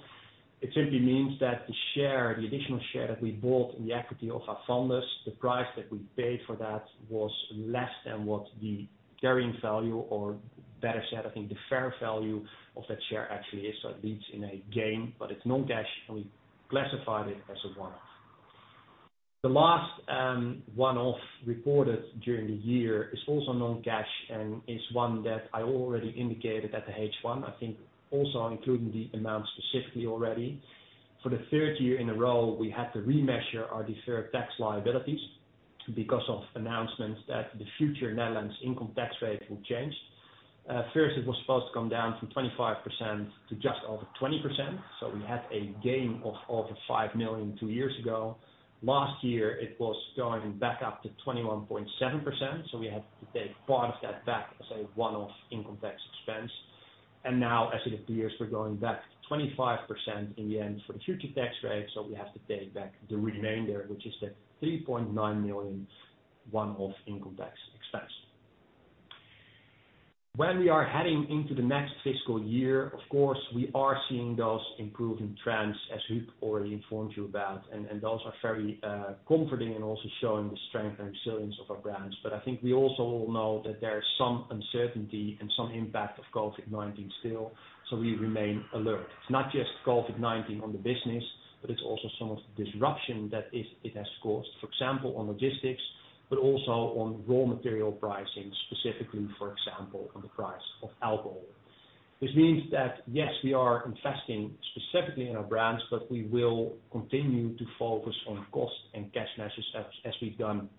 It simply means that the share, the additional share that we bought in the equity of Avandis, the price that we paid for that was less than what the carrying value, or better said, I think the fair value of that share actually is. It leads in a gain, but it's non-cash, and we classified it as a one-off. The last one-off reported during the year is also non-cash and is one that I already indicated at the H1, I think also including the amount specifically already. For the third year in a row, we had to remeasure our deferred tax liabilities because of announcements that the future Netherlands income tax rate will change. First, it was supposed to come down from 25% to just over 20%, we had a gain of over 5 million two years ago. Last year, it was going back up to 21.7%, so we had to take part of that back as a one-off income tax expense. Now, as it appears, we're going back to 25% in the end for the future tax rate, so we have to take back the remainder, which is a 3.9 million one-off income tax expense. When we are heading into the next fiscal year, of course, we are seeing those improving trends as Huub already informed you about, and those are very comforting and also showing the strength and resilience of our brands. I think we also all know that there is some uncertainty and some impact of COVID-19 still, so we remain alert. Not just COVID-19 on the business, but it is also some of the disruption that it has caused, for example, on logistics, but also on raw material pricing, specifically, for example, on the price of alcohol. This means that, yes, we are investing specifically in our brands, but we will continue to focus on cost and cash measures as we have done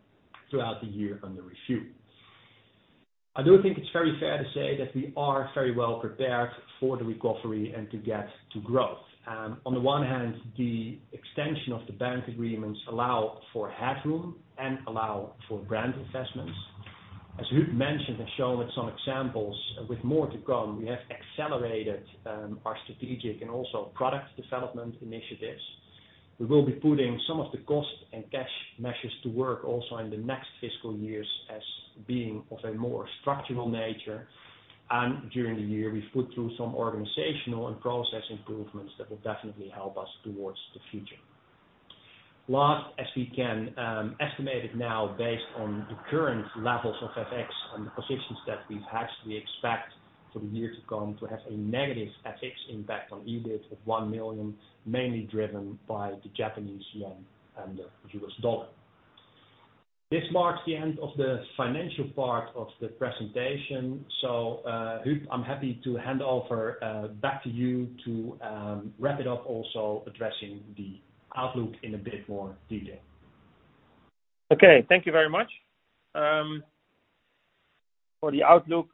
throughout the year under review. I do think it is very fair to say that we are very well prepared for the recovery and to get to growth. On the one hand, the extension of the bank agreements allow for headroom and allow for brand investments. As Huub mentioned and shown with some examples, with more to come, we have accelerated our strategic and also product development initiatives. We will be putting some of the cost and cash measures to work also in the next fiscal years as being of a more structural nature. During the year, we put through some organizational and process improvements that will definitely help us towards the future. Last, as we can estimate it now, based on the current levels of FX and the positions that we've hedged, we expect for the year to come to have a negative FX impact on EBIT of 1 million, mainly driven by the Japanese yen and the U.S. dollar. This marks the end of the financial part of the presentation. Huub, I'm happy to hand over back to you to wrap it up, also addressing the outlook in a bit more detail. Okay, thank you very much. For the outlook,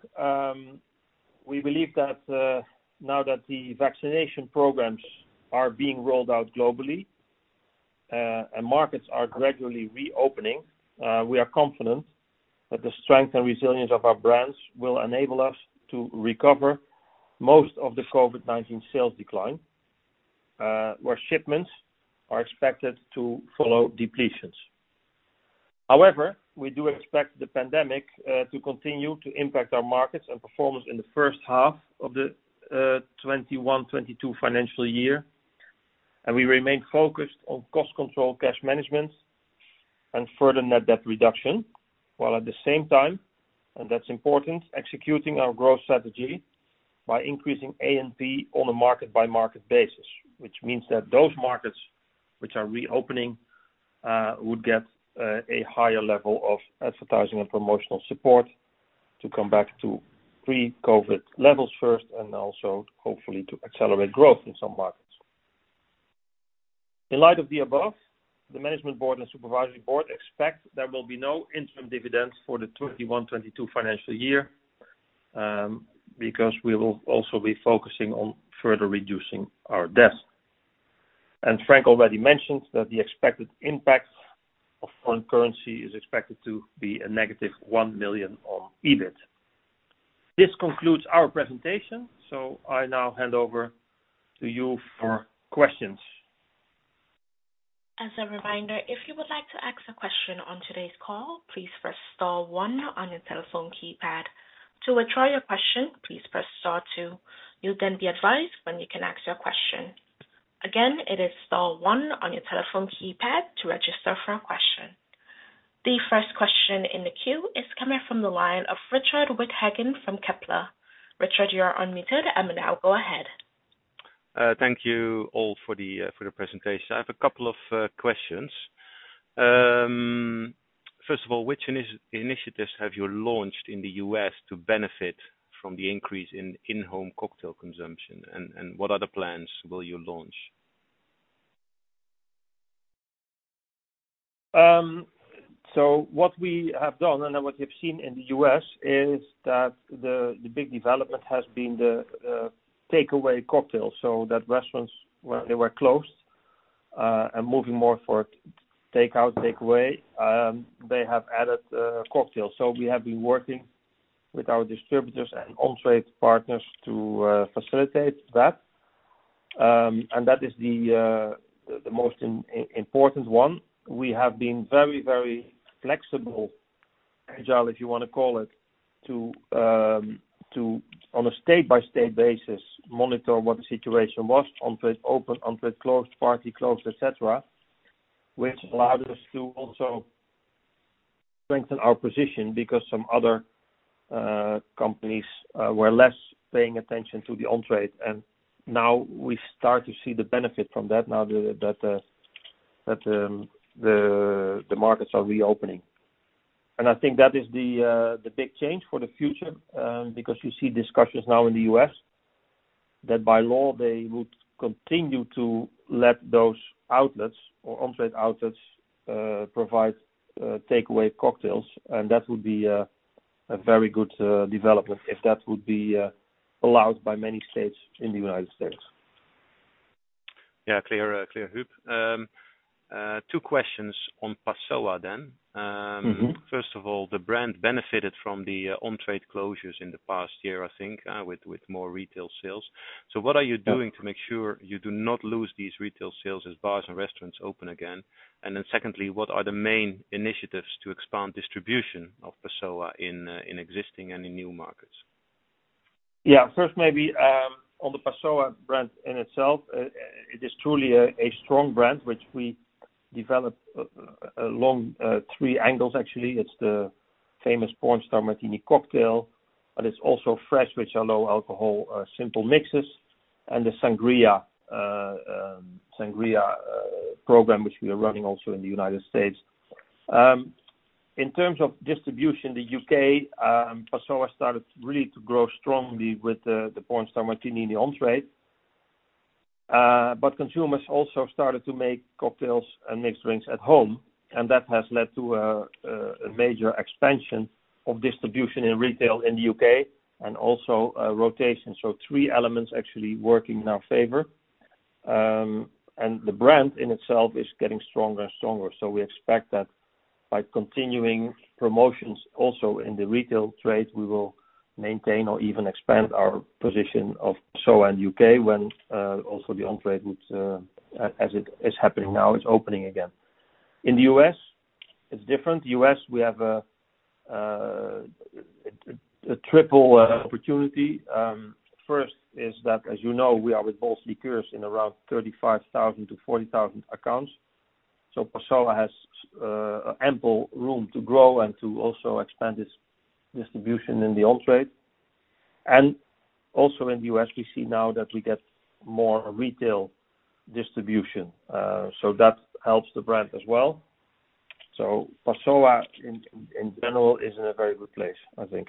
we believe that now that the vaccination programs are being rolled out globally and markets are gradually reopening, we are confident that the strength and resilience of our brands will enable us to recover most of the COVID-19 sales decline, where shipments are expected to follow depletions. However, we do expect the pandemic to continue to impact our markets and performance in the first half of the 2021/2022 financial year, and we remain focused on cost control, cash management, and further net debt reduction, while at the same time, and that's important, executing our growth strategy by increasing A&P on a market-by-market basis, which means that those markets which are reopening will get a higher level of advertising and promotional support to come back to pre-COVID levels first, and also hopefully to accelerate growth in some markets. In light of the above, the management board and supervisory board expect there will be no interim dividends for the 2021/2022 financial year, because we will also be focusing on further reducing our debt. Frank already mentioned that the expected impact of foreign currency is expected to be a -1 million on EBIT. This concludes our presentation, so I now hand over to you for questions. As a reminder, if you would like to ask a question on today's call, please press star one on your telephone keypad. To withdraw your question, please press star two. You'll then be advised when you can ask a question. Again it is star one on your telephone keypad to a different question. The first question in the queue is coming from the line of Richard Withagen from Kepler. Richard, you are unmuted and now go ahead. Thank you all for the presentation. I have a couple of questions. First of all, which initiatives have you launched in the U.S. to benefit from the increase in in-home cocktail consumption, and what other plans will you launch? What we have done, and what we've seen in the U.S., is that the big development has been the takeaway cocktails, so that restaurants, when they were closed and moving more for takeout/takeaway, they have added cocktails. We have been working with our distributors and on-trade partners to facilitate that, and that is the most important one. We have been very flexible, agile, if you want to call it, to, on a state-by-state basis, monitor what the situation was, on-trade open, on-trade closed, partly closed, et cetera, which allowed us to also strengthen our position because some other companies were less paying attention to the on-trade, and now we start to see the benefit from that now that the markets are reopening. I think that is the big change for the future, because we see discussions now in the U.S. that by law, they would continue to let those outlets or on-trade outlets provide takeaway cocktails, and that would be a very good development if that would be allowed by many states in the United States. Yeah, clear, Huub. Two questions on Passoã then. First of all, the brand benefited from the on-trade closures in the past year, I think, with more retail sales. What are you doing to make sure you do not lose these retail sales as bars and restaurants open again? Secondly, what are the main initiatives to expand distribution of Passoã in existing and in new markets? Yeah. First, maybe on the Passoã brand in itself, it is truly a strong brand, which we developed along three angles, actually. It's the famous Pornstar Martini cocktail, it's also fresh, which are low alcohol, simple mixes, and the sangria program, which we are running also in the United States. In terms of distribution in the U.K., Passoã started really to grow strongly with the Pornstar Martini in the on-trade. Consumers also started to make cocktails and mixed drinks at home, that has led to a major expansion of distribution in retail in the U.K., and also rotation. Three elements actually working in our favor. The brand in itself is getting stronger and stronger. We expect that by continuing promotions also in the retail trade, we will maintain or even expand our position of Passoã in U.K. when also the on-trade, as it is happening now, is opening again. In the U.S., it's different. U.S., we have a triple opportunity. First is that, as you know, we are with Bols Liqueurs in around 35,000 to 40,000 accounts. Passoã has ample room to grow and to also expand its distribution in the on-trade. Also in the U.S., we see now that we get more retail distribution. That helps the brand as well. Passoã in general is in a very good place, I think.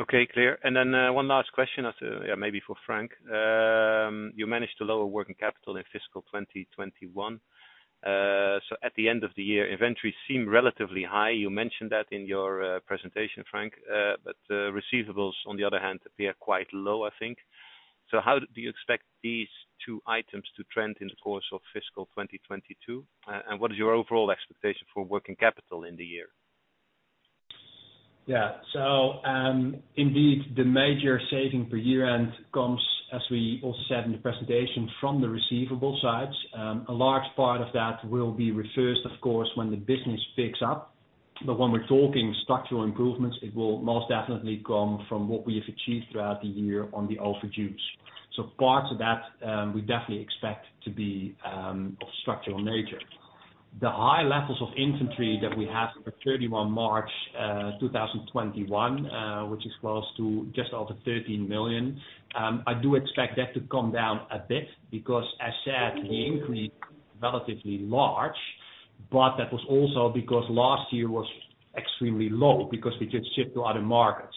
Okay, clear. One last question, maybe for Frank. You managed to lower working capital in fiscal 2021. At the end of the year, inventory seemed relatively high. You mentioned that in your presentation, Frank, the receivables, on the other hand, appear quite low, I think. How do you expect these two items to trend in the course of fiscal 2022? What is your overall expectation for working capital in the year? Indeed, the major saving per year end comes, as we also said in the presentation, from the receivable side. A large part of that will be reversed, of course, when the business picks up. When we're talking structural improvements, it will most definitely come from what we have achieved throughout the year on the output juice. Parts of that we definitely expect to be of structural nature. The high levels of inventory that we had for 31 March 2021, which equals to just over 13 million. I do expect that to come down a bit because as said, the increase was relatively large, but that was also because last year was extremely low because we couldn't ship to other markets.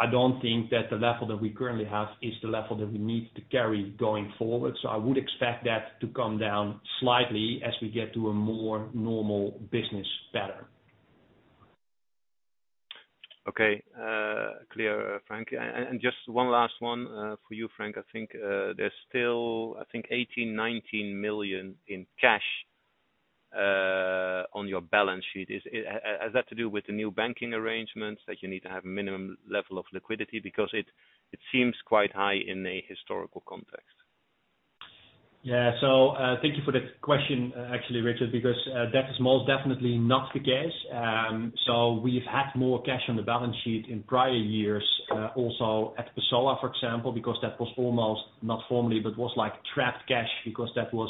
I don't think that the level that we currently have is the level that we need to carry going forward. I would expect that to come down slightly as we get to a more normal business pattern. Okay, clear, Frank. Just one last one for you, Frank. I think there's still 18 million, 19 million in cash on your balance sheet. Has that to do with the new banking arrangements that you need to have a minimum level of liquidity? It seems quite high in a historical context. Yeah. Thank you for the question actually, Richard, because that's most definitely not the case. We had more cash on the balance sheet in prior years also at the Passoã, for example, because that was almost, not formally, but was like trapped cash because that was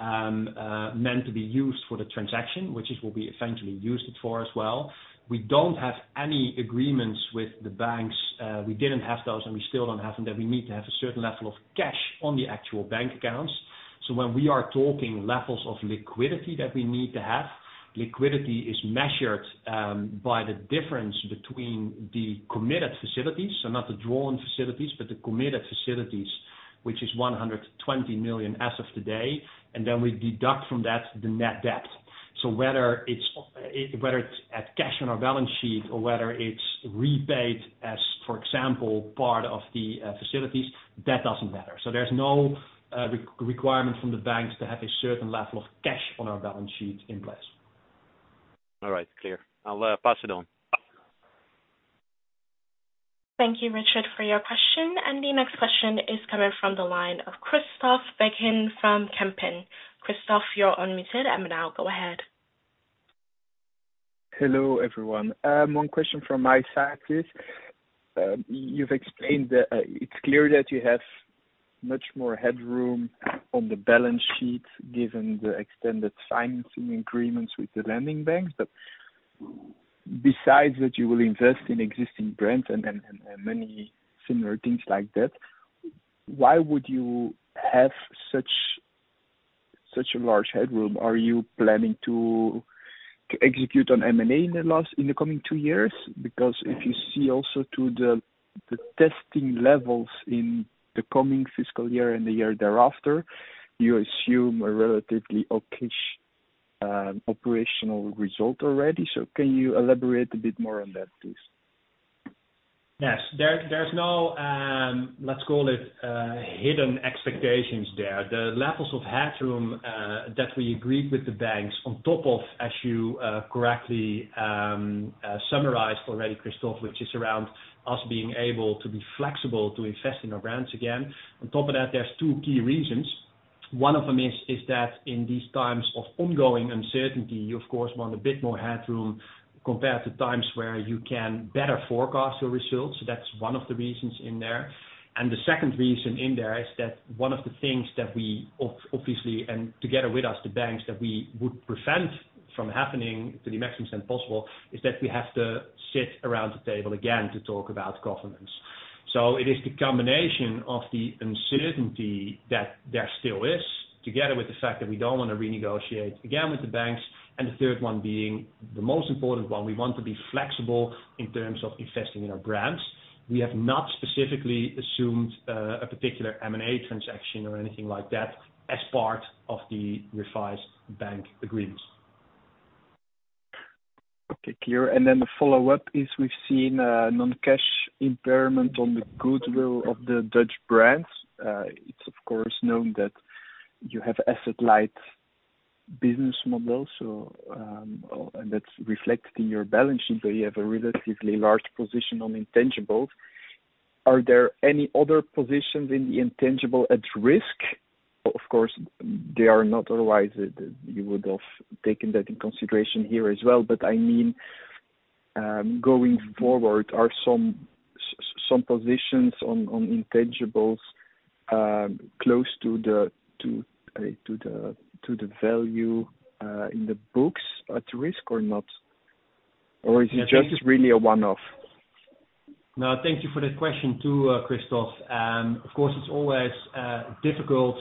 meant to be used for the transaction, which is what we eventually used it for as well. We don't have any agreements with the banks. We didn't have those, and we still don't have them, that we need to have a certain level of cash on the actual bank accounts. When we are talking levels of liquidity that we need to have, liquidity is measured by the difference between the committed facilities. Not the drawn facilities, but the committed facilities, which is 120 million as of today. Then we deduct from that the net debt. Whether it's cash on our balance sheet or whether it's repaid as, for example, part of the facilities, that doesn't matter. There's no requirement from the banks to have a certain level of cash on our balance sheet in place. All right, clear. I'll pass it on. Thank you, Richard, for your question. The next question is coming from the line of Kristoff Becken from Kempen. Kristoff, you are unmuted and now go ahead. Hello, everyone. One question from my side, please. You've explained that it's clear that you have much more headroom on the balance sheet given the extended financing agreements with the lending banks. Besides that you will invest in existing brands and many similar things like that. Why would you have such a large headroom? Are you planning to execute on M&A in the coming two years? If you see also to the testing levels in the coming fiscal year and the year thereafter, you assume a relatively okay operational result already. Can you elaborate a bit more on that, please? Yes. There's no, let's call it, hidden expectations there. The levels of headroom that we agreed with the banks on top of, as you correctly summarized already, Kristoff, which is around us being able to be flexible to invest in our brands again. On top of that, there's two key reasons. One of them is that in these times of ongoing uncertainty, you of course want a bit more headroom compared to times where you can better forecast your results. That's one of the reasons in there. The second reason in there is that one of the things that we obviously, and together with us, the banks, that we would prevent from happening to the maximum extent possible, is that we have to sit around the table again to talk about governance. It is the combination of the uncertainty that there still is, together with the fact that we don't want to renegotiate again with the banks, and the third one being the most important one. We want to be flexible in terms of investing in our brands. We have not specifically assumed a particular M&A transaction or anything like that as part of the revised bank agreements. Okay, clear. The follow-up is, we've seen a non-cash impairment on the goodwill of the Dutch brands. It's of course known that you have asset-light business model, and that's reflected in your balance sheet. You have a relatively large position on intangibles. Are there any other positions in the intangible at risk? Of course they are not, otherwise you would have taken that in consideration here as well. I mean, going forward, are some positions on intangibles close to the value in the books at risk or not? Is it just really a one-off? No, thank you for that question too, Kristoff. Of course, it's always difficult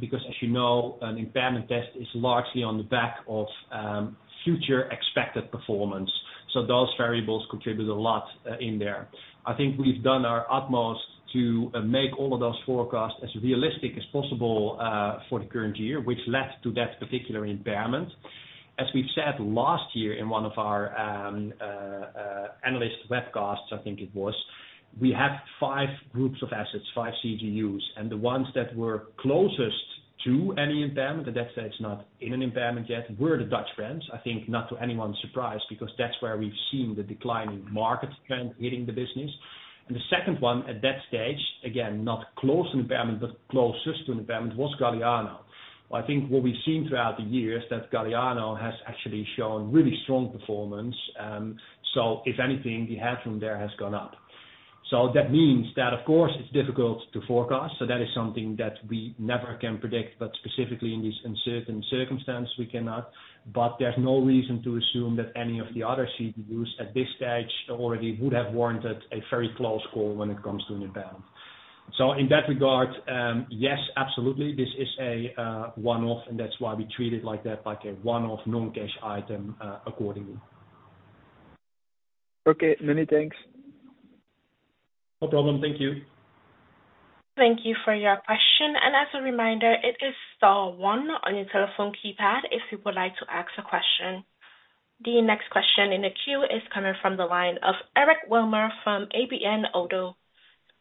because as you know, an impairment test is largely on the back of future expected performance. Those variables contribute a lot in there. I think we've done our utmost to make all of those forecasts as realistic as possible for the current year, which led to that particular impairment. As we've said last year in one of our analyst webcasts, I think it was, we have five groups of assets, five CGUs, and the ones that were closest to any impairment, at that stage not in an impairment yet, were the Dutch brands, I think not to anyone's surprise, because that's where we've seen the declining market trend hitting the business. The second one at that stage, again, not close to impairment, but closest to impairment, was Galliano. I think what we've seen throughout the years is that Galliano has actually shown really strong performance. If anything, the headroom there has gone up. That means that of course it's difficult to forecast. That is something that we never can predict, but specifically in this uncertain circumstance, we cannot. There's no reason to assume that any of the other CGUs at this stage already would have warranted a very close call when it comes to an impairment. In that regard, yes, absolutely. This is a one-off, and that's why we treat it like that, like a one-off non-cash item accordingly. Okay, many thanks. No problem. Thank you. Thank you for your question. As a reminder, it is star one on your telephone keypad if you would like to ask a question. The next question in the queue is coming from the line of Eric Wilmer from ABN AMRO.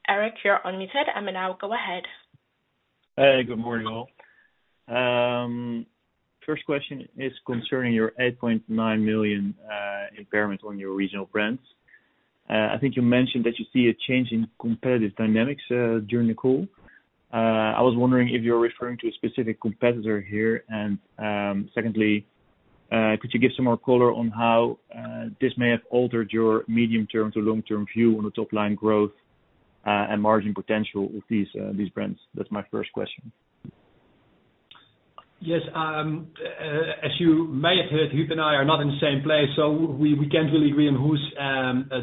Eric, you're unmuted and now go ahead. Hey, good morning, all. First question is concerning your 8.9 million impairment on your regional brands. I think you mentioned that you see a change in competitive dynamics during the call. I was wondering if you're referring to a specific competitor here. Secondly, could you give some more color on how this may have altered your medium-term to long-term view on the top-line growth and margin potential of these brands? That's my first question. Yes, as you may have heard, Huub and I are not in the same place, so we can't really agree on who's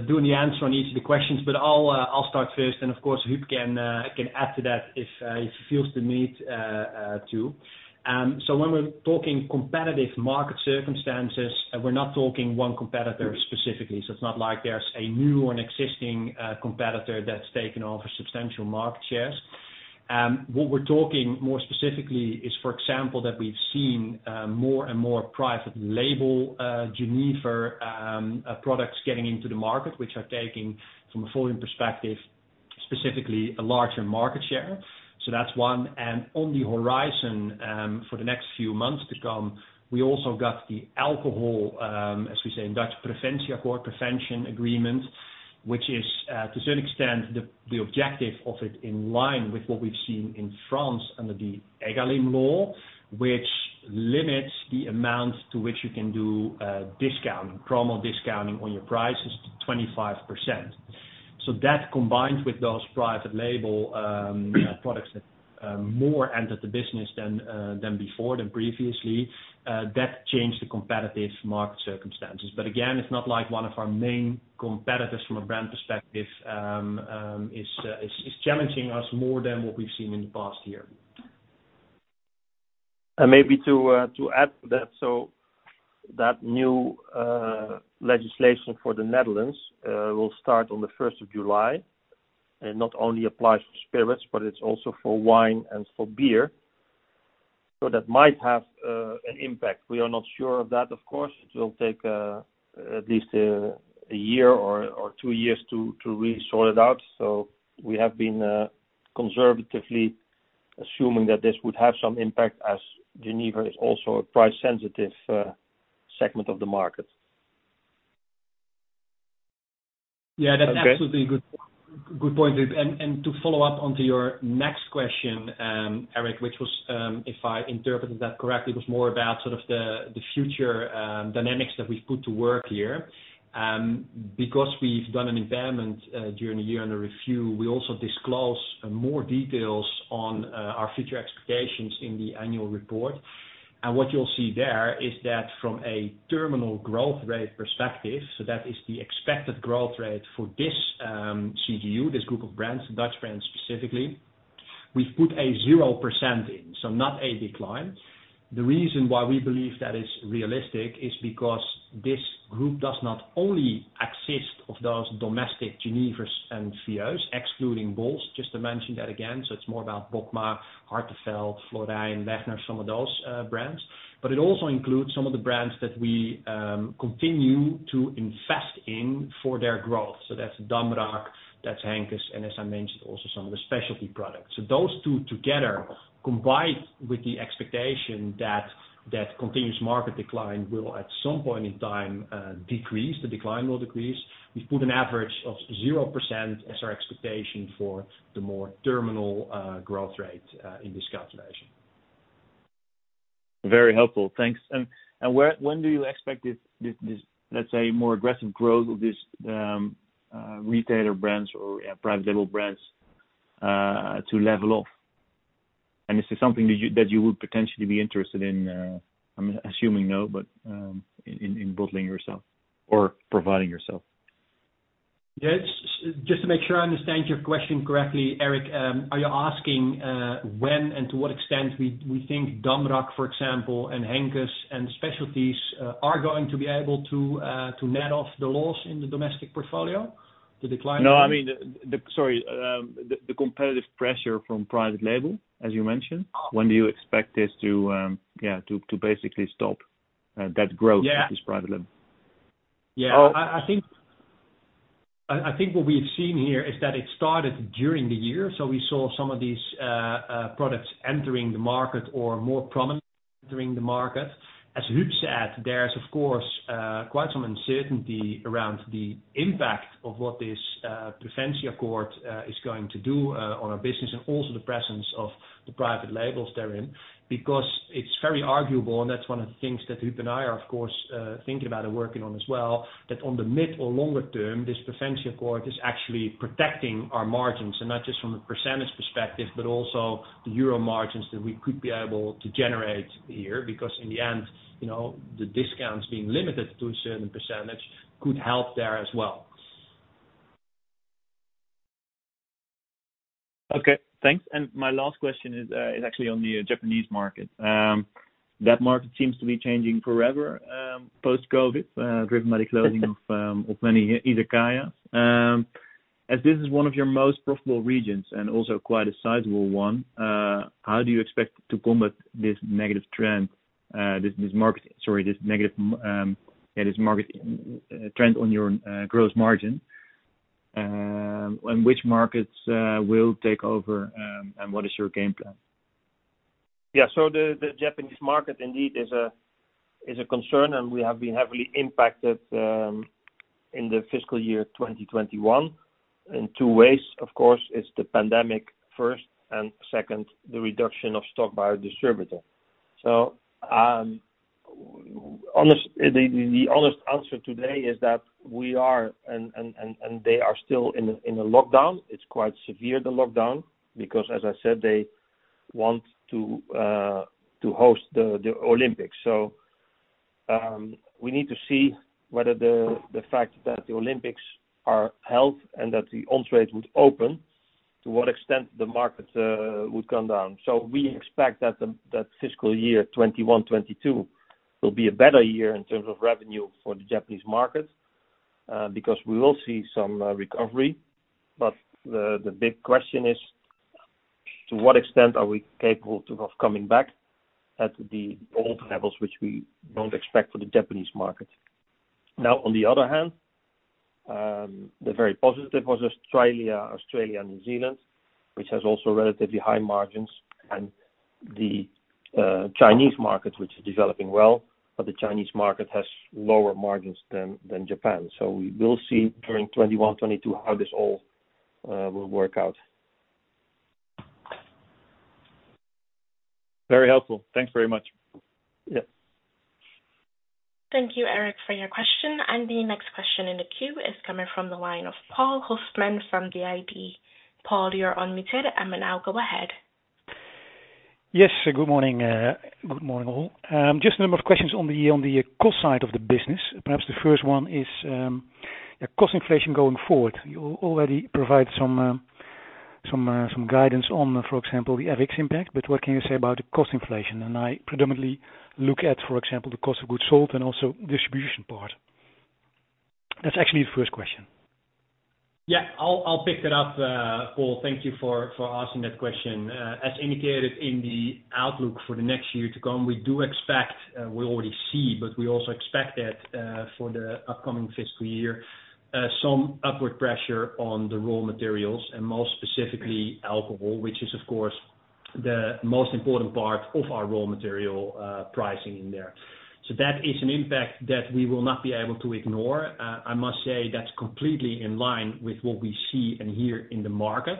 doing the answer on each of the questions. I'll start first, and of course, Huub can add to that if he feels the need to. When we're talking competitive market circumstances, we're not talking one competitor specifically. It's not like there's a new or an existing competitor that's taken over substantial market shares. What we're talking more specifically is, for example, that we've seen more and more private label, Genever products getting into the market, which are taking from a volume perspective, specifically a larger market share. That's one. On the horizon for the next few months to come, we also got the alcohol, as we say in Dutch, Preventieakkoord, Prevention Agreement, which is to a certain extent the objective of it in line with what we've seen in France under the EGalim law, which limits the amount to which you can do discounting, promo discounting on your prices to 25%. That combined with those private label products that more entered the business than before, than previously, that changed the competitive market circumstances. Again, it's not like one of our main competitors from a brand perspective is challenging us more than what we've seen in the past year. Maybe to add to that, so that new legislation for the Netherlands will start on the 1st of July and not only applies to spirits, but it is also for wine and for beer. That might have an impact. We are not sure of that, of course. It will take at least a year or two years to really sort it out. We have been conservatively assuming that this would have some impact as Genever is also a price-sensitive segment of the market. Yeah, that's absolutely a good point. To follow up onto your next question, Eric, which was, if I interpreted that correctly, it was more about sort of the future dynamics that we've put to work here. We've done an impairment during the year under review, we also disclose more details on our future expectations in the annual report. What you'll see there is that from a terminal growth rate perspective, so that is the expected growth rate for this CGU, this group of brands, Dutch brands specifically, we've put a 0% in, so not a decline. The reason why we believe that is realistic is because this group does not only exist of those domestic Genevers and trio's, excluding Bols, just to mention that again. It's more about Bokma, Hartevelt, Floryn, Legner, some of those brands. It also includes some of the brands that we continue to invest in for their growth. That's Damrak, that's Henkes, and as I mentioned, also some of the specialty products. Those two together, combined with the expectation that continuous market decline will at some point in time decrease, the decline will decrease. We put an average of 0% as our expectation for the more terminal growth rate in this calculation. Very helpful, thanks. When do you expect this, let's say, more aggressive growth of these retailer brands or private label brands to level off? Is this something that you would potentially be interested in? I'm assuming no, but in bottling yourself or providing yourself? Yes. Just to make sure I understand your question correctly, Eric, are you asking when and to what extent we think Damrak, for example, and Henkes and Specialties are going to be able to net off the loss in the domestic portfolio? No, sorry. The competitive pressure from private label, as you mentioned, when do you expect this to basically stop that growth of this private label? Yeah. I think what we've seen here is that it started during the year. We saw some of these products entering the market or more prominently entering the market. As Huub said, there's of course, quite some uncertainty around the impact of what this Preventieakkoord is going to do on our business, and also the presence of the private labels therein, because it's very arguable, and that's one of the things that Huub and I are, of course, thinking about and working on as well, that on the mid or longer term, this Preventieakkoord is actually protecting our margins, and not just from a percentage perspective, but also the euro margins that we could be able to generate here. In the end, the discounts being limited to a certain percentage could help there as well. Okay, thanks. My last question is actually on the Japanese market. That market seems to be changing forever post-COVID, dramatic closing of many Izakaya. As this is one of your most profitable regions and also quite a sizable one, how do you expect to combat this negative trend on your gross margin? Which markets will take over, and what is your game plan? The Japanese market indeed is a concern, and we have been heavily impacted in the fiscal year 2021 in two ways. Of course, it's the pandemic first, and second, the reduction of stock by our distributor. The honest answer today is that we are, and they are still in a lockdown. It's quite severe, the lockdown, because as I said, they want to host the Olympics. We need to see whether the fact that the Olympics are held and that the on-trade would open, to what extent the market will come down. We expect that fiscal year 2021/2022 will be a better year in terms of revenue for the Japanese market, because we will see some recovery. The big question is, to what extent are we capable of coming back at the old levels, which we don't expect for the Japanese market. On the other hand, the very positive was Australia and New Zealand, which has also relatively high margins, and the Chinese market, which is developing well, but the Chinese market has lower margins than Japan. We will see during 2021/2022 how this all will work out. Very helpful. Thanks very much. Yeah. Thank you, Eric, for your question. The next question in the queue is coming from the line of Paul Husman from BID. Paul, you are unmuted. Now go ahead. Yes. Good morning, all. Just a number of questions on the cost side of the business. Perhaps the first one is cost inflation going forward. You already provided some guidance on, for example, the FX impact. What can you say about the cost inflation? I predominantly look at, for example, the cost of goods sold and also distribution part. That's actually the first question. Yeah, I'll pick that up, Paul. Thank you for asking that question. As indicated in the outlook for the next year to come, we do expect, we already see, we also expect that for the upcoming fiscal year, some upward pressure on the raw materials and more specifically alcohol, which is of course, the most important part of our raw material pricing in there. That is an impact that we will not be able to ignore. I must say that's completely in line with what we see and hear in the market.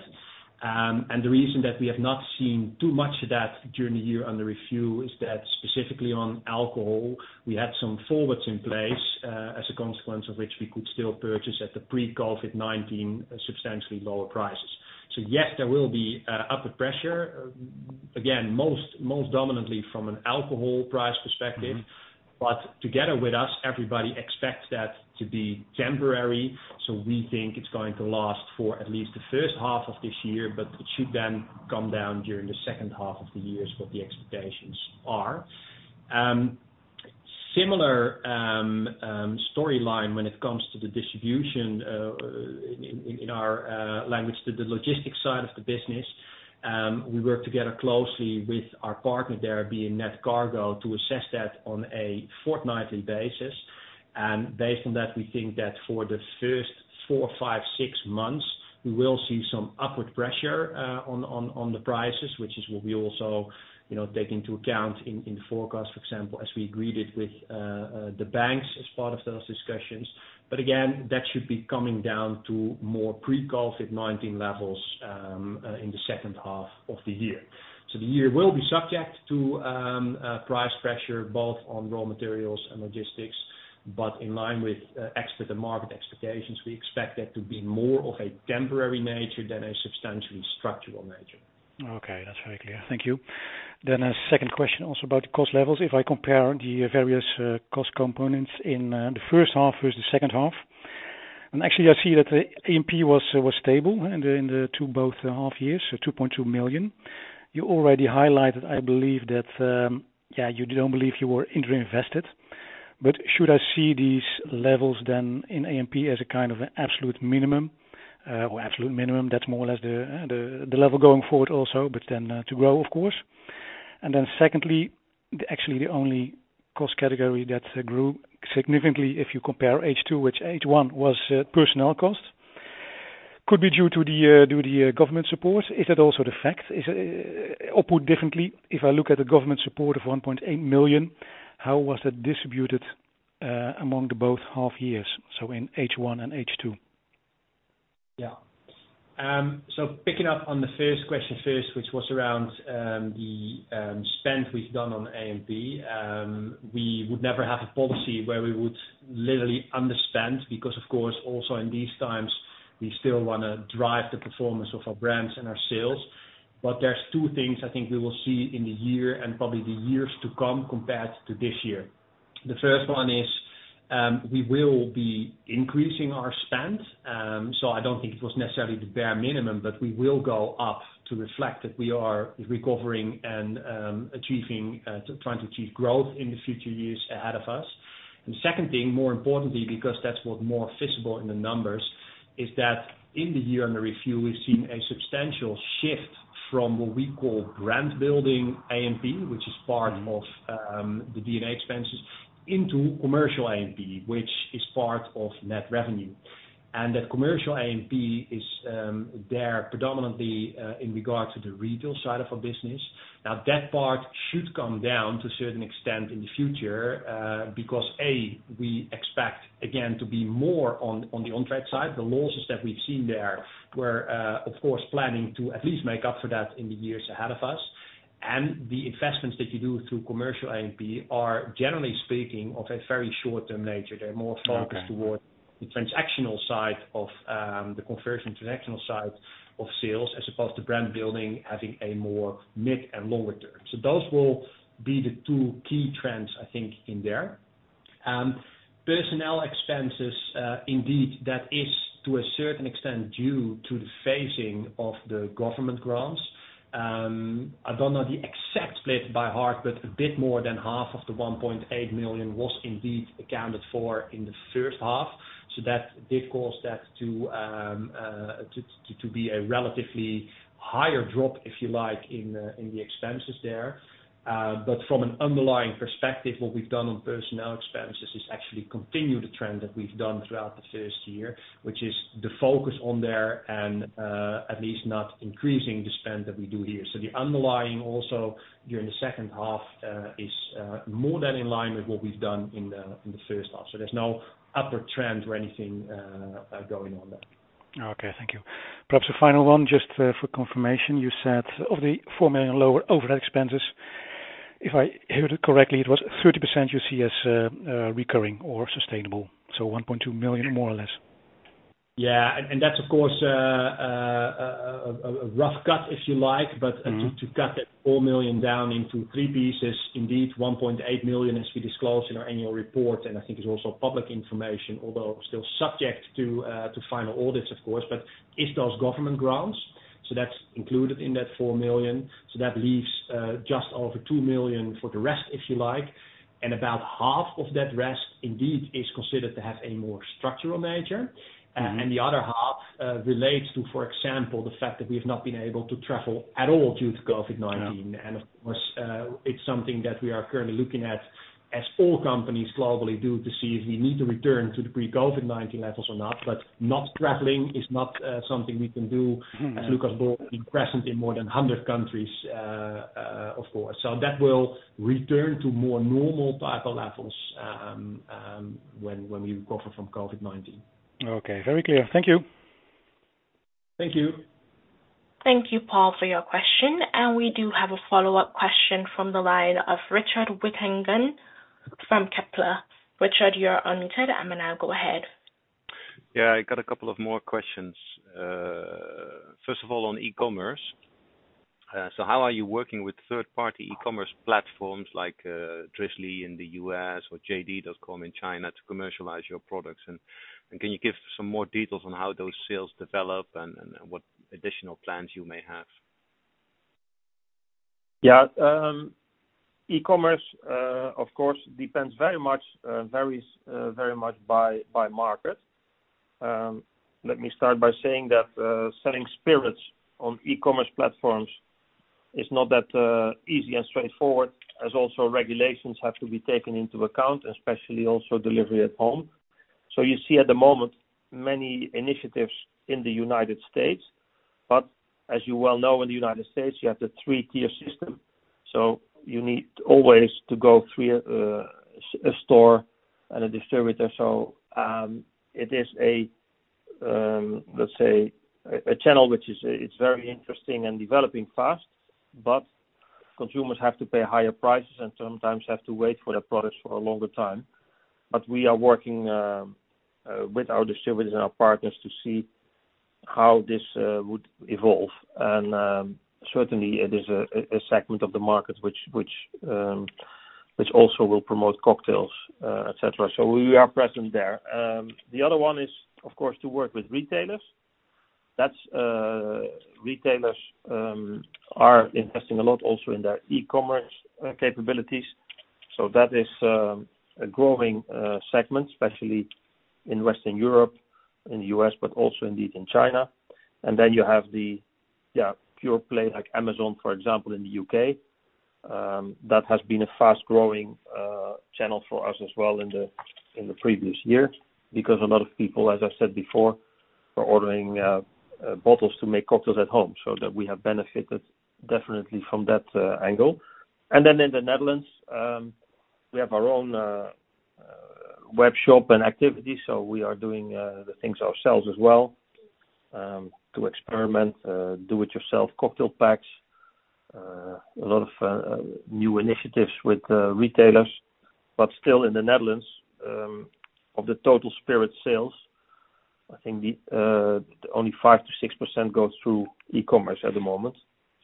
The reason that we have not seen too much of that during the year under review is that specifically on alcohol, we had some forwards in place as a consequence of which we could still purchase at the pre-COVID-19 substantially lower prices. Yes, there will be upward pressure, again, most dominantly from an alcohol price perspective, but together with us, everybody expects that to be temporary. We think it's going to last for at least the first half of this year, but it should then come down during the second half of the year is what the expectations are. Similar storyline when it comes to the distribution in our language, to the logistics side of the business. We work together closely with our partner there, being Nedcargo, to assess that on a fortnightly basis. Based on that, we think that for the first four, five, six months, we will see some upward pressure on the prices, which is what we also take into account in forecast, for example, as we agreed it with the banks as part of those discussions. Again, that should be coming down to more pre-COVID-19 levels in the second half of the year. The year will be subject to price pressure both on raw materials and logistics, but in line with expert and market expectations, we expect that to be more of a temporary nature than a substantially structural nature. Okay, that's very clear. Thank you. A second question also about the cost levels. If I compare the various cost components in the first half versus the second half, actually I see that the A&P was stable in the two both half years, so 2.2 million. You already highlighted, I believe, that you don't believe you were under-invested. Should I see these levels then in A&P as a kind of absolute minimum? Well, absolute minimum, that's more or less the level going forward also, to grow, of course. Secondly, actually the only cost category that grew significantly if you compare H2 with H1 was personnel costs. Could it be due to the government supports? Is that also the fact? Put differently, if I look at the government support of 1.8 million, how was it distributed among the both half years, so in H1 and H2? Yeah. Picking up on the first question first, which was around the spend we've done on A&P, we would never have a policy where we would literally under-spend, because, of course, also in these times, we still want to drive the performance of our brands and our sales. There's two things I think we will see in the year and probably the years to come compared to this year. The first one is we will be increasing our spend. I don't think it was necessarily the bare minimum, but we will go up to reflect that we are recovering and trying to achieve growth in the future years ahead of us. The second thing, more importantly, because that's what's more visible in the numbers, is that in the year under review, we've seen a substantial shift from what we call brand-building A&P, which is part of the D&A expenses, into commercial A&P, which is part of net revenue. The commercial A&P is there predominantly in regard to the retail side of our business. That part should come down to a certain extent in the future, because, A, we expect again to be more on the on-trade side. The losses that we've seen there, we're of course planning to at least make up for that in the years ahead of us. The investments that you do through commercial A&P are, generally speaking, of a very short-term nature. They're more focused towards the commercial transactional side of sales as opposed to brand building, having a more mid and longer term. Those will be the two key trends, I think, in there. Personnel expenses, indeed, that is to a certain extent due to the phasing of the government grants. I don't know the exact split by heart, but a bit more than half of the 1.8 million was indeed accounted for in the first half. That did cause that to be a relatively higher drop, if you like, in the expenses there. But from an underlying perspective, what we've done on personnel expenses is actually continue the trend that we've done throughout the first year, which is the focus on there and at least not increasing the spend that we do here. The underlying also here in the second half is more than in line with what we've done in the first half. There's no upward trend or anything going on there. Okay, thank you. Perhaps a final one, just for confirmation. You said of the 4 million lower overhead expenses, if I heard it correctly, it was 30% you see as recurring or sustainable. 1.2 million, more or less. That's of course a rough cut, if you like. To cut that 4 million down into three pieces, indeed, 1.8 million, as we disclosed in our annual report, and I think it's also public information, although still subject to final audits, of course, but it does government grants. That's included in that 4 million. That leaves just over 2 million for the rest, if you like. About half of that rest indeed is considered to have a more structural nature. The other half relates to, for example, the fact that we've not been able to travel at all due to COVID-19. Of course, it's something that we are currently looking at, as all companies globally do, to see if we need to return to the pre-COVID-19 levels or not. Not traveling is not something we can do as Lucas Bols being present in more than 100 countries, of course. That will return to more normal type of levels when we recover from COVID-19. Okay, very clear. Thank you. Thank you. Thank you, Paul, for your question. We do have a follow-up question from the line of Richard Withagen from Kepler. Richard, you are unmuted. I'm going to go ahead. Yeah, I got a couple of more questions. First of all, on e-commerce. How are you working with third-party e-commerce platforms like Drizly in the U.S. or JD.com in China to commercialize your products? Can you give us some more details on how those sales develop and what additional plans you may have? E-commerce, of course, depends very much by market. Let me start by saying that selling spirits on e-commerce platforms is not that easy and straightforward, as also regulations have to be taken into account, especially also delivery at home. You see at the moment many initiatives in the United States, but as you well know, in the United States, you have the three-tier system. You need always to go through a store and a distributor. It is a, let's say, a channel which is very interesting and developing fast. Consumers have to pay higher prices and sometimes have to wait for their products for a longer time. We are working with our distributors and our partners to see how this would evolve. Certainly, it is a segment of the market which also will promote cocktails, et cetera. We are present there. The other one is, of course, to work with retailers. Retailers are investing a lot also in their e-commerce capabilities. That is a growing segment, especially in Western Europe and the U.S., but also indeed in China. You have the pure play like Amazon, for example, in the U.K. That has been a fast-growing channel for us as well in the previous years because a lot of people, as I said before, are ordering bottles to make cocktails at home. That we have benefited definitely from that angle. In the Netherlands, we have our own web shop and activity. We are doing the things ourselves as well, to experiment do it yourself cocktail packs, a lot of new initiatives with retailers. Still in the Netherlands, of the total spirit sales, I think only 5%-6% goes through e-commerce at the moment.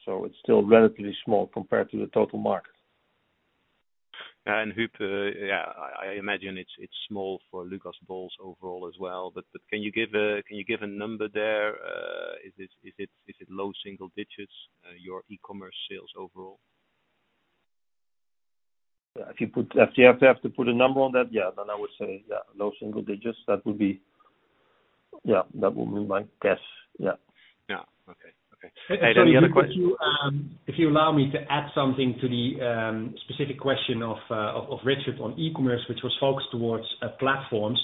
It's still relatively small compared to the total market. Huub, I imagine it's small for Lucas Bols overall as well, but can you give a number there? Is it low single digits, your e-commerce sales overall? If you have to put a number on that, yeah. I would say, yeah, low single digits. That would be my guess. Yeah. Yeah. Okay. The other question. If you allow me to add something to the specific question of Richard on e-commerce, which was focused towards platforms.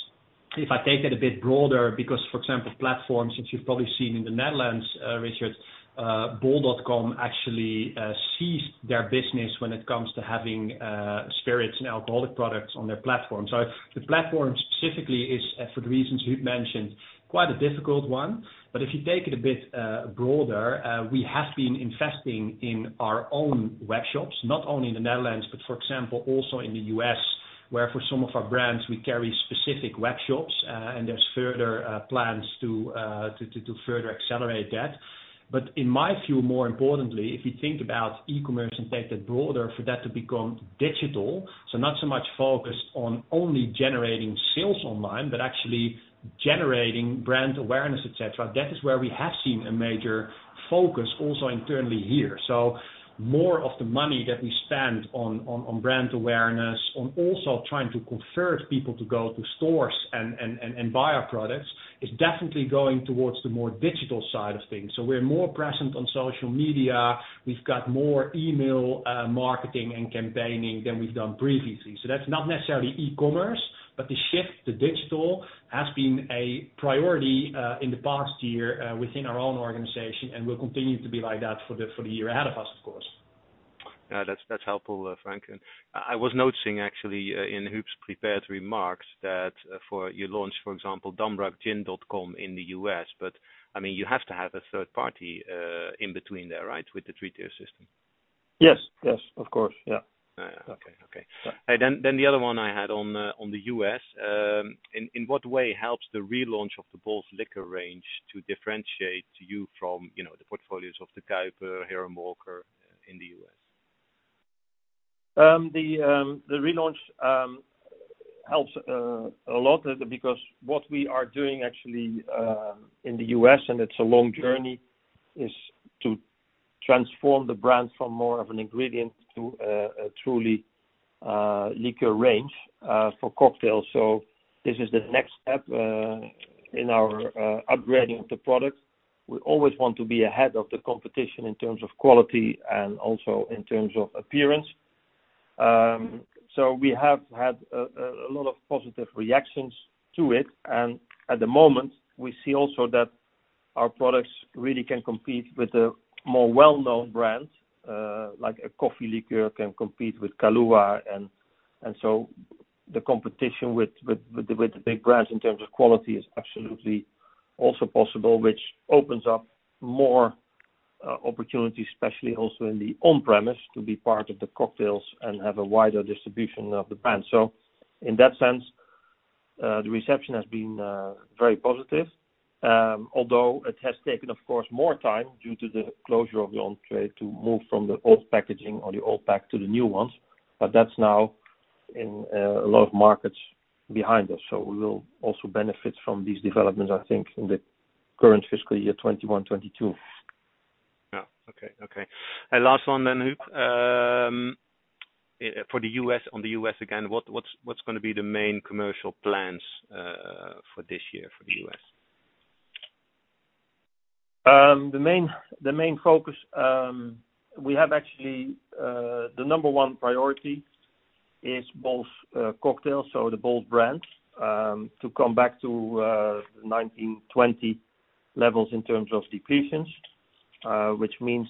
If I take it a bit broader, because, for example, platforms, which you've probably seen in the Netherlands, Richard, bol.com actually ceased their business when it comes to having spirits and alcoholic products on their platform. The platform specifically is, for the reasons Huub mentioned, quite a difficult one. If you take it a bit broader, we have been investing in our own web shops, not only in the Netherlands, but for example, also in the U.S., where for some of our brands, we carry specific web shops. There's further plans to further accelerate that. In my view, more importantly, if you think about e-commerce and take that broader for that to become digital, not so much focused on only generating sales online, but actually generating brand awareness, et cetera. That is where we have seen a major focus also internally here. More of the money that we spend on brand awareness, on also trying to convert people to go to stores and buy our products, is definitely going towards the more digital side of things. We're more present on social media. We've got more email marketing and campaigning than we've done previously. That's not necessarily e-commerce, but the shift to digital has been a priority in the past year within our own organization, and will continue to be like that for the year ahead of us, of course. Yeah, that's helpful, Frank. I was noticing actually in Huub's prepared remarks that for your launch, for example, damrak.com in the U.S., but you have to have a third party in between there, right, with the three-tier system? Yes, of course. Yeah. Okay. The other one I had on the U.S. In what way helps the relaunch of the Bols Liqueur Range to differentiate you from the portfolios of De Kuyper, Hiram Walker in the U.S.? The relaunch helps a lot because what we are doing actually in the U.S., and it's a long journey, is to transform the brand from more of an ingredient to a truly liquor range for cocktails. This is the next step in our upgrading of the product. We always want to be ahead of the competition in terms of quality and also in terms of appearance. We have had a lot of positive reactions to it, and at the moment, we see also that our products really can compete with the more well-known brands, like a coffee liqueur can compete with Kahlúa. The competition with the big brands in terms of quality is absolutely also possible, which opens up more opportunities, especially also in the on-premise to be part of the cocktails and have a wider distribution of the brand. In that sense, the reception has been very positive. Although it has taken, of course, more time due to the closure of the on-trade to move from the old packaging or the old pack to the new ones. That's now in a lot of markets behind us. We will also benefit from these developments, I think, in the current fiscal year 2021/2022. Yeah. Okay. Last one then, Huub, on the U.S. again. What's going to be the main commercial plans for this year for the U.S.? The main focus we have actually, the number one priority is Bols Cocktails. The Bols brands, to come back to the 19/20 levels in terms of depletions, which means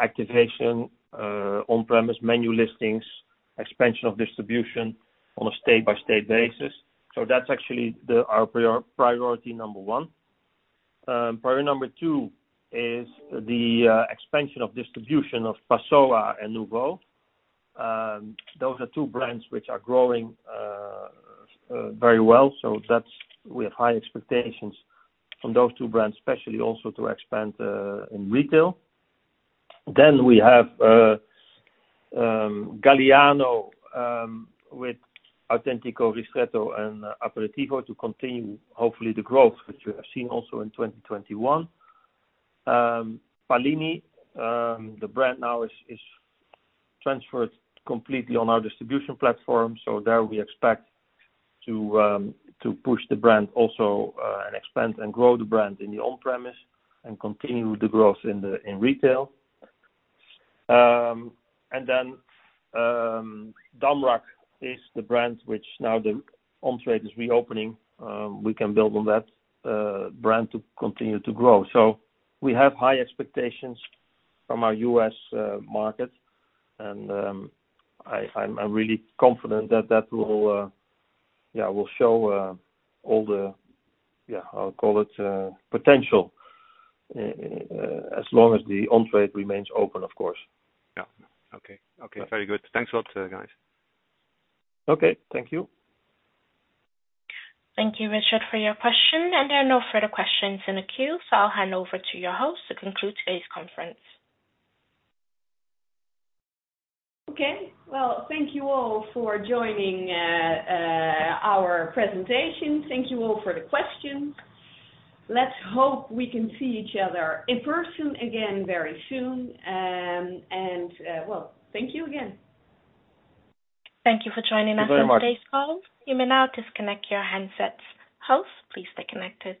activation, on-premise menu listings, expansion of distribution on a state-by-state basis. That's actually our priority number one. Priority number two is the expansion of distribution of Passoã and Nuvo. Those are two brands which are growing very well. We have high expectations from those two brands, especially also to expand in retail. We have Galliano with Autentico, Ristretto, and L'Aperitivo to continue, hopefully, the growth which we have seen also in 2021. Pallini, the brand now is transferred completely on our distribution platform. There we expect to push the brand also and expand and grow the brand in the on-premise and continue the growth in retail. Damrak is the brand which now the on-trade is reopening, we can build on that brand to continue to grow. We have high expectations from our U.S. market, and I'm really confident that that will show all the, I'll call it, potential, as long as the on-trade remains open, of course. Yeah. Okay. Very good. Thanks a lot, guys. Okay. Thank you. Thank you, Richard, for your question. There are no further questions in the queue, so I'll hand over to your host to conclude today's conference. Okay. Well, thank you all for joining our presentation. Thank you all for the questions. Let's hope we can see each other in person again very soon. Well, thank you again. Thank you for joining us on today's call. You may now disconnect your handsets. Host, please stay connected.